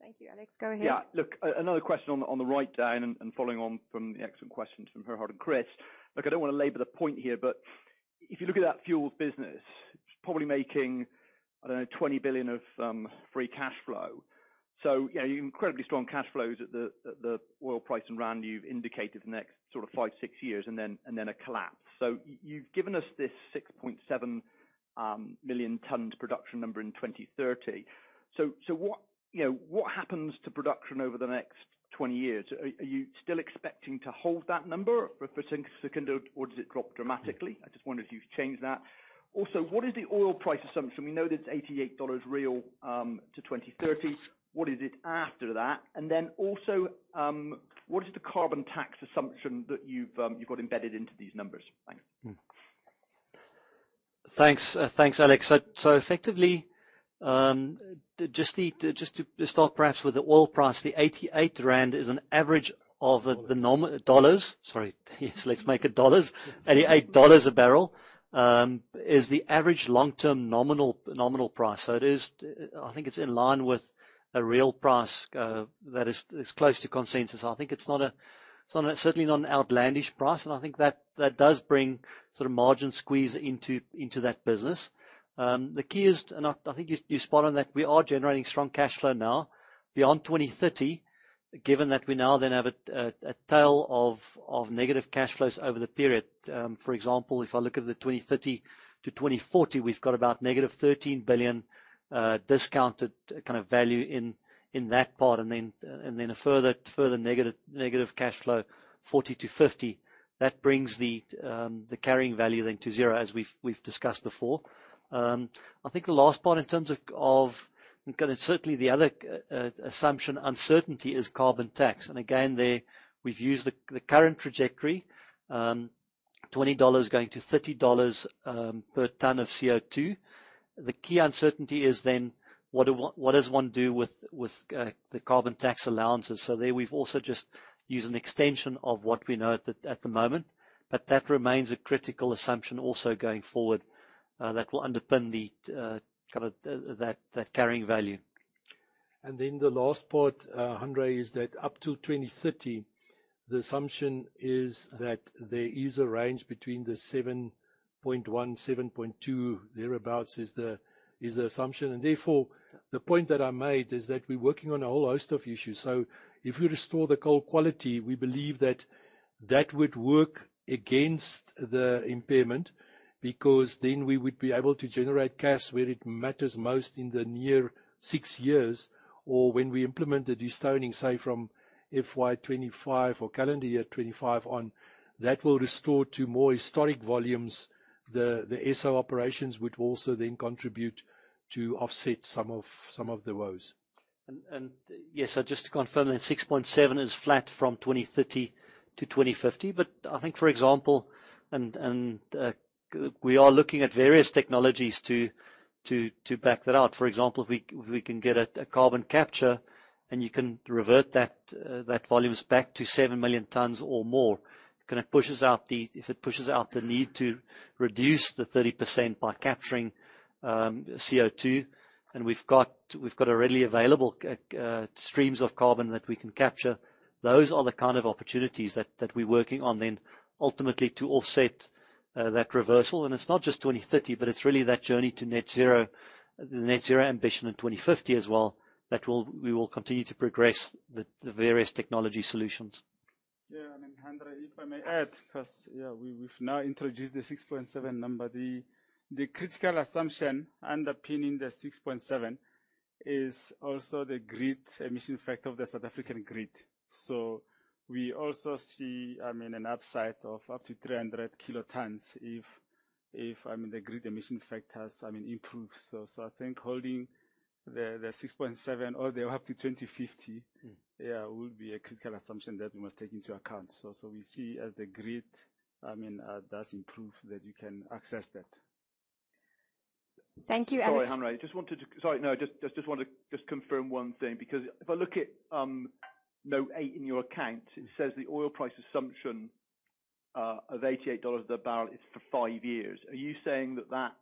Thank you, Alex. Go ahead. Yeah. Look, another question on the, on the write-down and, and following on from the excellent questions from Gerhard and Chris. Look, I don't want to labor the point here, but if you look at that fuels business, it's probably making, I don't know, $20 billion of free cash flow. Yeah, incredibly strong cash flows at the, at the oil price and rand you've indicated the next sort of five, six years and then, and then a collapse. You've given us this 6.7 million tons production number in 2030. What... You know, what happens to production over the next 20 years? Are, are you still expecting to hold that number for Secunda, or does it drop dramatically? I just wonder if you've changed that. Also, what is the oil price assumption? We know that it's $88 real to 2030. What is it after that? Then also, what is the carbon tax assumption that you've, you've got embedded into these numbers? Thanks. Thanks. Thanks, Alex. Effectively, just the, just to, to start perhaps with the oil price, the 88 rand is an average of the dollars. Sorry, yes, let's make it dollars. $88 a barrel is the average long-term nominal, nominal price. It is, I think it's in line with a real price that is, is close to consensus. I think it's not a, it's not an, certainly not an outlandish price, and I think that, that does bring sort of margin squeeze into, into that business. The key is, and I, I think you, you spot on that, we are generating strong cash flow now. Beyond 2030, given that we now then have a, a, a tail of, of negative cash flows over the period. For example, if I look at the 2030 to 2040, we've got about -$13 billion discounted kind of value in, in that part, then a further, further negative, negative cash flow, 2040 to 2050. That brings the carrying value then to zero, as we've discussed before. I think the last part in terms of. Certainly the other assumption, uncertainty is carbon tax. Again, there we've used the current trajectory. $20 going to $30 per ton of CO2. The key uncertainty is then, what do one, what does one do with, with the carbon tax allowances? There, we've also just used an extension of what we know at the, at the moment, but that remains a critical assumption also going forward, that will underpin the, kinda, that, that carrying value. The last part, Andre, is that up till 2030, the assumption is that there is a range between the 7.1, 7.2, thereabout is the, is the assumption. The point that I made is that we're working on a whole host of issues. If we restore the coal quality, we believe that that would work against the impairment, because then we would be able to generate cash where it matters most in the near 6 years, or when we implement the de-stoning, say, from FY 2025 or calendar year 2025 on, that will restore to more historic volumes. The SO operations would also then contribute to offset some of, some of the woes. Yes, so just to confirm, then, 6.7 is flat from 2030 to 2050. I think, for example, we are looking at various technologies to back that out. For example, if we can get a carbon capture and you can revert that volumes back to 7 million tons or more, kinda pushes out the need to reduce the 30% by capturing CO2. We've got, we've got a readily available streams of carbon that we can capture. Those are the kind of opportunities that, that we're working on, then ultimately to offset that reversal. It's not just 2030, but it's really that journey to Net Zero, Net Zero ambition in 2050 as well, that we'll, we will continue to progress the, the various technology solutions. Yeah, I mean, Hanré, if I may add, 'cause, yeah, we've, we've now introduced the 6.7 number. The critical assumption underpinning the 6.7 is also the grid emission factor of the South African grid. We also see, I mean, an upside of up to 300 kilotons if, I mean, the grid emission factors, I mean, improve. I think holding the 6.7 all the way up to 2050. Mm. yeah, will be a critical assumption that we must take into account. so we see as the grid, I mean, does improve, that you can access that. Thank you, Alex. Sorry, Hanré, I just wanted to... Sorry, no, just want to confirm one thing, because if I look at note 8 in your account, it says the oil price assumption of $88 a barrel is for 5 years. Are you saying that, that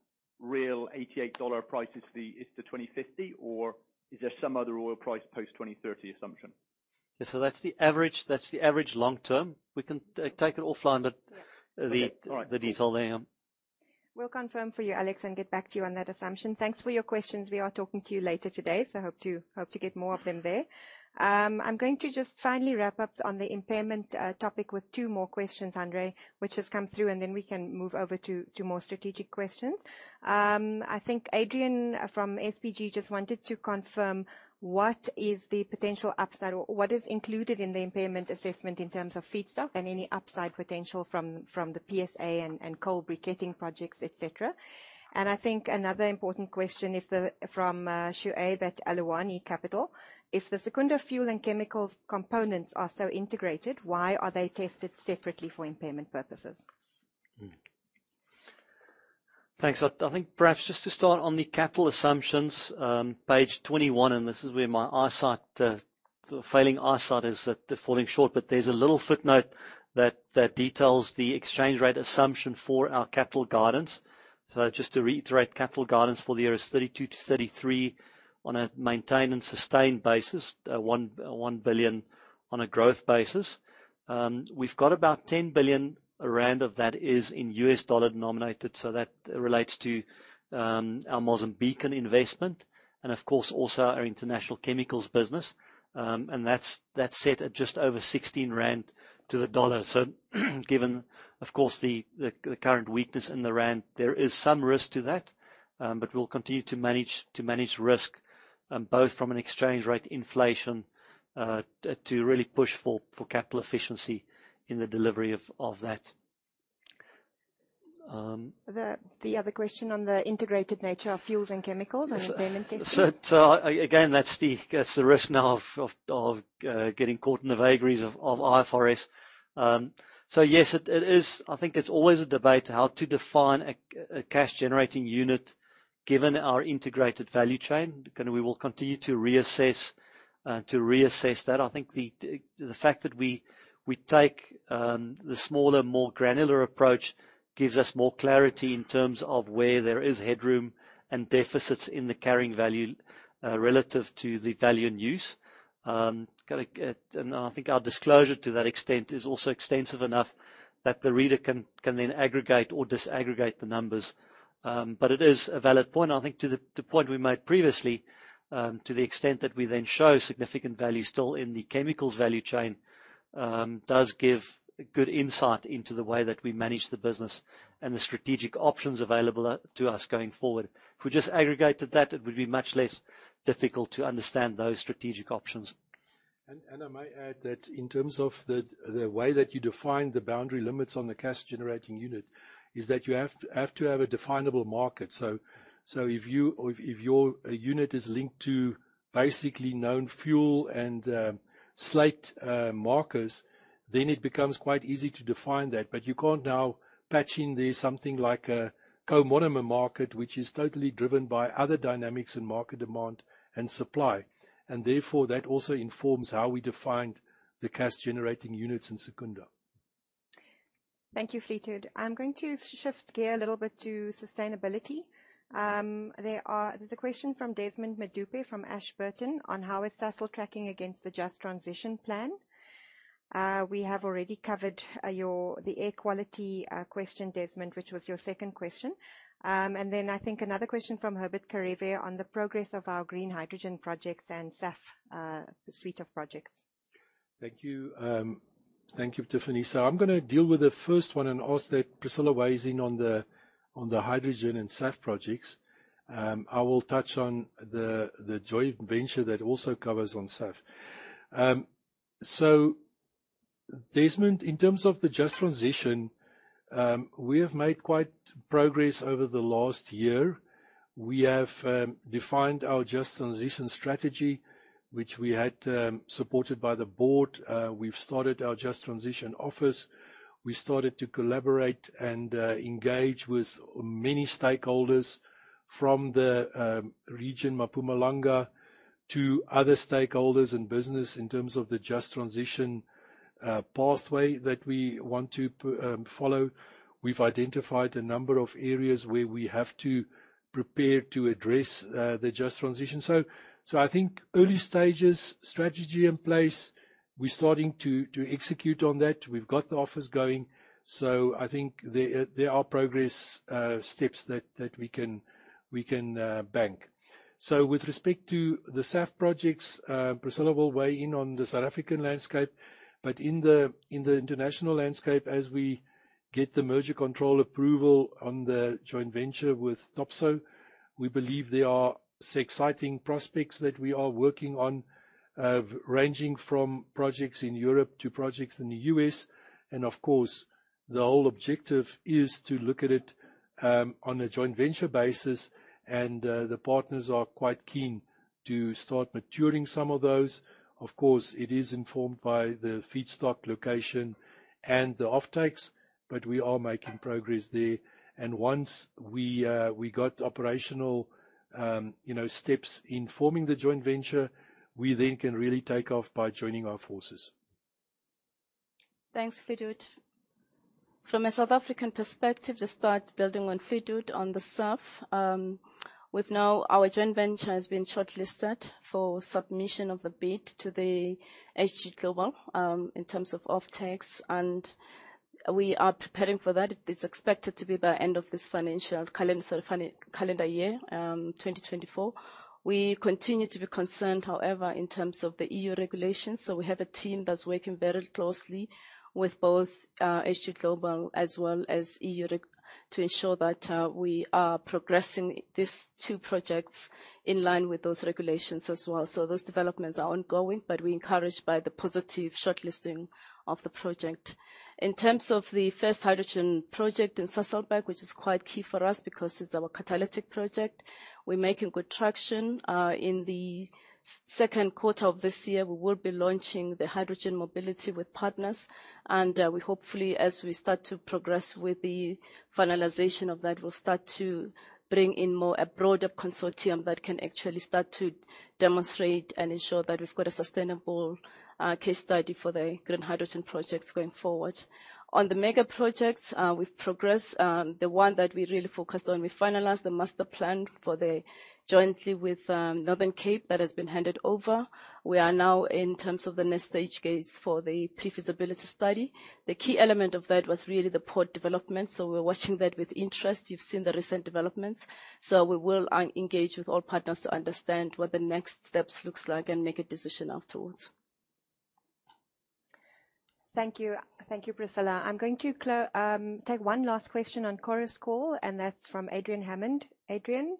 real $88 price is the, is to 2050, or is there some other oil price post 2030 assumption? Yes, so that's the average, that's the average long term. We can, take it offline, but- Yeah. the detail there. We'll confirm for you, Alex, and get back to you on that assumption. Thanks for your questions. We are talking to you later today, so I hope to, hope to get more of them there. I'm going to just finally wrap up on the impairment topic with 2 more questions, Hanré, which just come through, and then we can move over to more strategic questions. I think Adrian from SBG just wanted to confirm: What is the potential upside or what is included in the impairment assessment in terms of feedstock and any upside potential from, from the PSA and, and coal briquetting projects, et cetera? I think another important question, from Shuaib at Aluwani Capital: If the Secunda fuel and chemicals components are so integrated, why are they tested separately for impairment purposes? Thanks. I think perhaps just to start on the capital assumptions, page 21, this is where my eyesight, failing eyesight is falling short, but there's a little footnote that details the exchange rate assumption for our capital guidance. Just to reiterate, capital guidance for the year is 32 billion-33 billion on a maintain and sustain basis, 1 billion on a growth basis. We've got about 10 billion rand of that is in U.S. dollar denominated, so that relates to our Mozambican investment and, of course, also our international chemicals business. That's set at just over 16 rand to the U.S. dollar. Given, of course, the, the, the current weakness in the rand, there is some risk to that, but we'll continue to manage, to manage risk, both from an exchange rate inflation, to, to really push for, for capital efficiency in the delivery of, of that. The other question on the integrated nature of fuels and chemicals on impairment testing. again, that's the, that's the risk now of, of, of, getting caught in the vagaries of, of IFRS. Yes, I think it's always a debate, how to define a cash generating unit, given our integrated value chain. We will continue to reassess that. I think the, the, the fact that we, we take the smaller, more granular approach gives us more clarity in terms of where there is headroom and deficits in the carrying value, relative to the value in use. I think our disclosure to that extent is also extensive enough that the reader can, can then aggregate or disaggregate the numbers. It is a valid point, and I think to the, the point we made previously, to the extent that we then show significant value still in the chemicals value chain, does give good insight into the way that we manage the business and the strategic options available to us going forward. If we just aggregated that, it would be much less difficult to understand those strategic options. I may add that in terms of the, the way that you define the boundary limits on the cash generating unit, is that you have to have a definable market. So if your unit is linked to basically known fuel and markers, then it becomes quite easy to define that, but you can't now patch in there something like a co-monomer market, which is totally driven by other dynamics in market demand and supply, and therefore, that also informs how we defined the cash-generating units in Secunda. Thank you, Fleetwood. I'm going to shift gear a little bit to sustainability. There's a question from Desmond Madupe, from Ashburton, on how is Sasol tracking against the Just Transition plan. We have already covered your the air quality question, Desmond, which was your second question. Then I think another question from Herbert Kharivhe on the progress of our green hydrogen projects and SAF suite of projects. Thank you. Thank you, Tiffany. I'm gonna deal with the first one and ask that Priscillah Mabelane weighs in on the, on the hydrogen and SAF projects. I will touch on the, the joint venture that also covers on SAF. Desmond Madupe, in terms of the Just Transition, we have made quite progress over the last year. We have defined our Just Transition strategy, which we had supported by the board. We've started our Just Transition office. We started to collaborate and engage with many stakeholders from the region, Mpumalanga, to other stakeholders and business in terms of the Just Transition pathway that we want to follow. We've identified a number of areas where we have to prepare to address the Just Transition. I think early stages, strategy in place. We're starting to, to execute on that. We've got the office going, so I think there are progress steps that, that we can, we can bank. With respect to the SAF projects, Priscillah will weigh in on the South African landscape, but in the, in the international landscape, as we get the merger control approval on the joint venture with Topsoe, we believe there are some exciting prospects that we are working on, of ranging from projects in Europe to projects in the US. Of course, the whole objective is to look at it on a joint venture basis, and the partners are quite keen to start maturing some of those. Of course, it is informed by the feedstock location and the offtakes, but we are making progress there. Once we, we got operational, you know, steps in forming the joint venture, we then can really take off by joining our forces. Thanks, Fleetwood. From a South African perspective, just start building on Fleetwood, on the SAF. Our joint venture has been shortlisted for submission of the bid to the H2Global in terms of offtakes, and we are preparing for that. It's expected to be by end of this financial calendar, calendar year 2024. We continue to be concerned, however, in terms of the EU regulations, so we have a team that's working very closely with both H2Global as well as EU reg to ensure that we are progressing these two projects in line with those regulations as well. Those developments are ongoing, but we encouraged by the positive shortlisting of the project. In terms of the first hydrogen project in Sasolburg, which is quite key for us because it's our catalytic project, we're making good traction. In the Q2 of this year, we will be launching the hydrogen mobility with partners, and we hopefully, as we start to progress with the finalization of that, we'll start to bring in more, a broader consortium that can actually start to demonstrate and ensure that we've got a sustainable case study for the green hydrogen projects going forward. On the mega projects, we've progressed the one that we really focused on. We finalized the master plan for the jointly with Northern Cape. That has been handed over. We are now in terms of the next stage case for the pre-feasibility study. The key element of that was really the port development, so we're watching that with interest. You've seen the recent developments, so we will engage with all partners to understand what the next steps looks like and make a decision afterwards. Thank you. Thank you, Priscillah. I'm going to take one last question on today's call, and that's from Adrian Hammond. Adrian?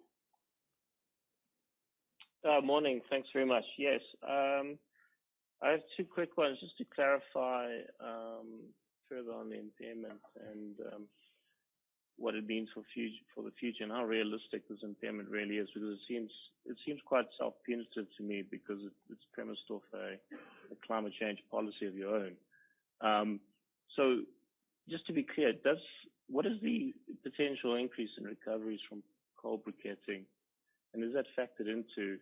Morning. Thanks very much. Yes, I have two quick ones, just to clarify further on the impairment and what it means for the future and how realistic this impairment really is, because it seems, it seems quite self-penitent to me because it, it's premised off a, a climate change policy of your own. So just to be clear, what is the potential increase in recoveries from coal briquetting, and is that factored into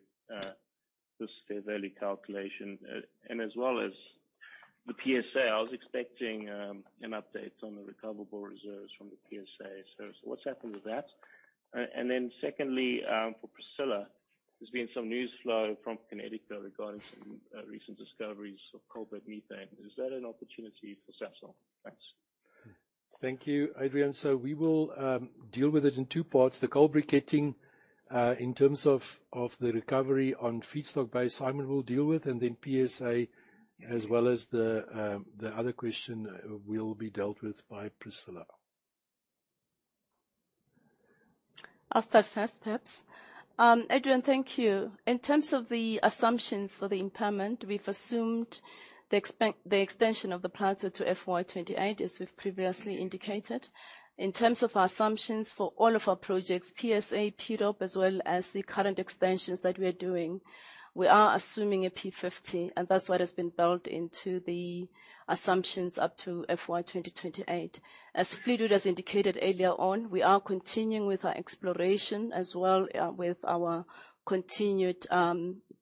this fair value calculation? And as well as the PSA, I was expecting an update on the recoverable reserves from the PSA. What's happened with that? And then secondly, for Priscillah, there's been some news flow from Kinetiko regarding some recent discoveries of coal bed methane. Is that an opportunity for Sasol? Thanks. Thank you, Adrian. We will deal with it in two parts. The coal briquetting, in terms of, of the recovery on feedstock base, Simon will deal with, and then PSA, as well as the, the other question will be dealt with by Priscillah. I'll start first, perhaps. Adrian, thank you. In terms of the assumptions for the impairment, we've assumed the extension of the plateau to FY 28, as we've previously indicated. In terms of our assumptions for all of our projects, PSA, PPA, as well as the current extensions that we are doing, we are assuming a P50, and that's what has been built into the assumptions up to FY 2028. As Fleetwood has indicated earlier on, we are continuing with our exploration as well, with our continued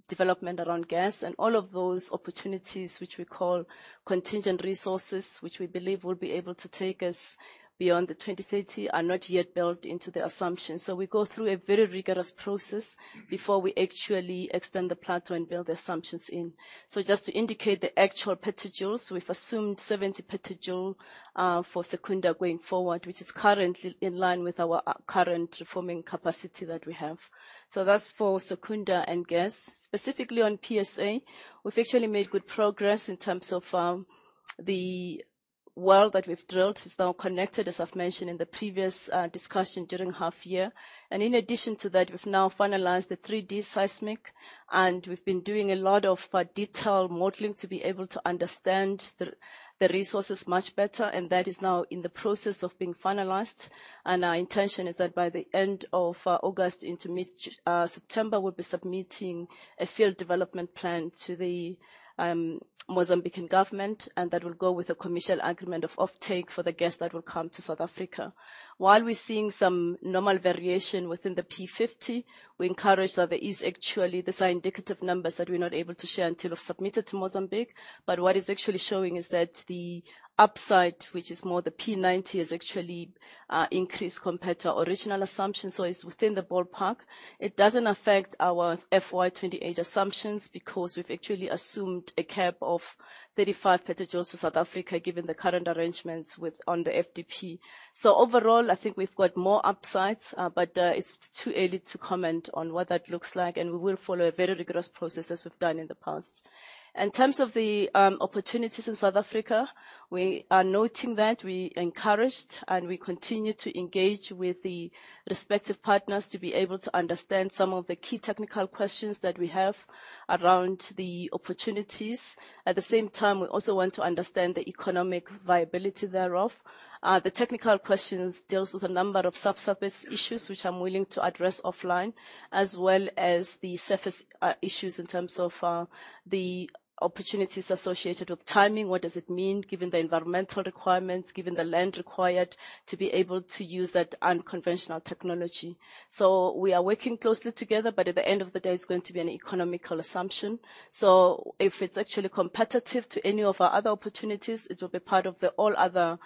development around gas and all of those opportunities, which we call contingent resources, which we believe will be able to take us beyond the 2030, are not yet built into the assumptions. So we go through a very rigorous process before we actually extend the plateau and build the assumptions in. Just to indicate the actual petajoules, we've assumed 70 petajoule for Secunda going forward, which is currently in line with our current reforming capacity that we have. That's for Secunda and gas. Specifically on PSA, we've actually made good progress in terms of the well that we've drilled is now connected, as I've mentioned in the previous discussion during half year. In addition to that, we've now finalized the 3D seismic, and we've been doing a lot of detailed modeling to be able to understand the resources much better, and that is now in the process of being finalized. Our intention is that by the end of August into mid-September, we'll be submitting a field development plan to the Mozambican government, and that will go with a commercial agreement of offtake for the gas that will come to South Africa. While we're seeing some normal variation within the P50, we encourage that there is actually these are indicative numbers that we're not able to share until we've submitted to Mozambique. What is actually showing is that the upside, which is more the P90, has actually increased compared to our original assumption, so it's within the ballpark. It doesn't affect our FY28 assumptions because we've actually assumed a cap of 35 petajoules to South Africa, given the current arrangements with on the FDP. Overall, I think we've got more upsides, but it's too early to comment on what that looks like, and we will follow a very rigorous process as we've done in the past. In terms of the opportunities in South Africa, we are noting that, we encouraged, and we continue to engage with the respective partners to be able to understand some of the key technical questions that we have around the opportunities. At the same time, we also want to understand the economic viability thereof. The technical questions deals with a number of subsurface issues, which I'm willing to address offline, as well as the surface issues in terms of the opportunities associated with timing. What does it mean, given the environmental requirements, given the land required, to be able to use that unconventional technology? We are working closely together, but at the end of the day, it's going to be an economical assumption. If it's actually competitive to any of our other opportunities, it will be part of the all other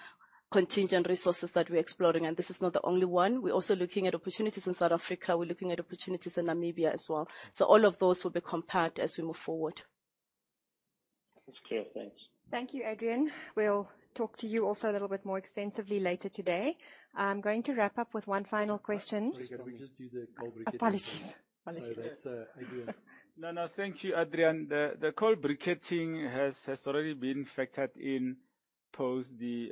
contingent resources that we're exploring, and this is not the only one. We're also looking at opportunities in South Africa. We're looking at opportunities in Namibia as well. All of those will be compared as we move forward. That's clear. Thanks. Thank you, Adrian. We'll talk to you also a little bit more extensively later today. I'm going to wrap up with one final question. Can we just do the coal briquetting? Apologies. Apologies. That's Adrian. No, no, thank you, Adrian. The coal briquetting has already been factored in post the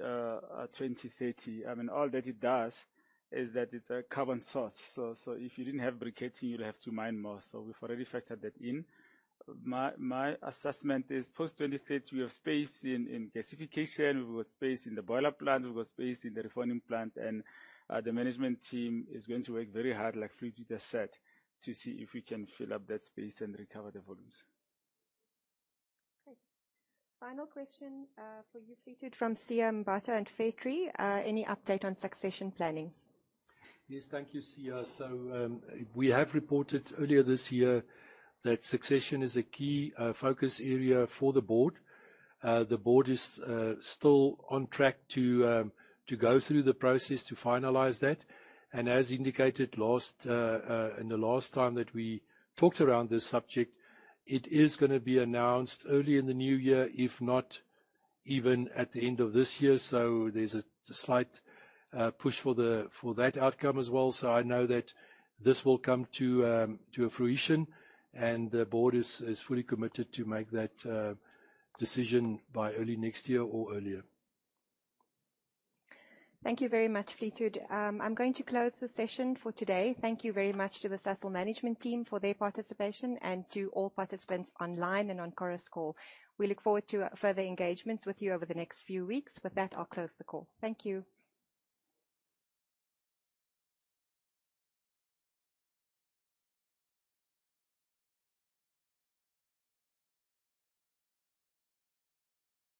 2030. I mean, all that it does is that it's a carbon source, so if you didn't have briquetting, you'd have to mine more. We've already factored that in. My assessment is post 2030, we have space in gasification, we've got space in the boiler plant, we've got space in the reforming plant, and the management team is going to work very hard, like Fleetwood has said, to see if we can fill up that space and recover the volumes. Great. Final question, for you, Fleetwood Grobler, from Siyabonga Mbatha and Fairtree. "Any update on succession planning? Yes, thank you, Sia. We have reported earlier this year that succession is a key focus area for the board. The board is still on track to go through the process to finalize that. As indicated last in the last time that we talked around this subject, it is gonna be announced early in the new year, if not even at the end of this year. There's a slight push for the for that outcome as well. I know that this will come to a fruition, and the board is fully committed to make that decision by early next year or earlier. Thank you very much, Fleetwood. I'm going to close the session for today. Thank you very much to the Sasol management team for their participation and to all participants online and on chorus call. We look forward to further engagements with you over the next few weeks. With that, I'll close the call. Thank you.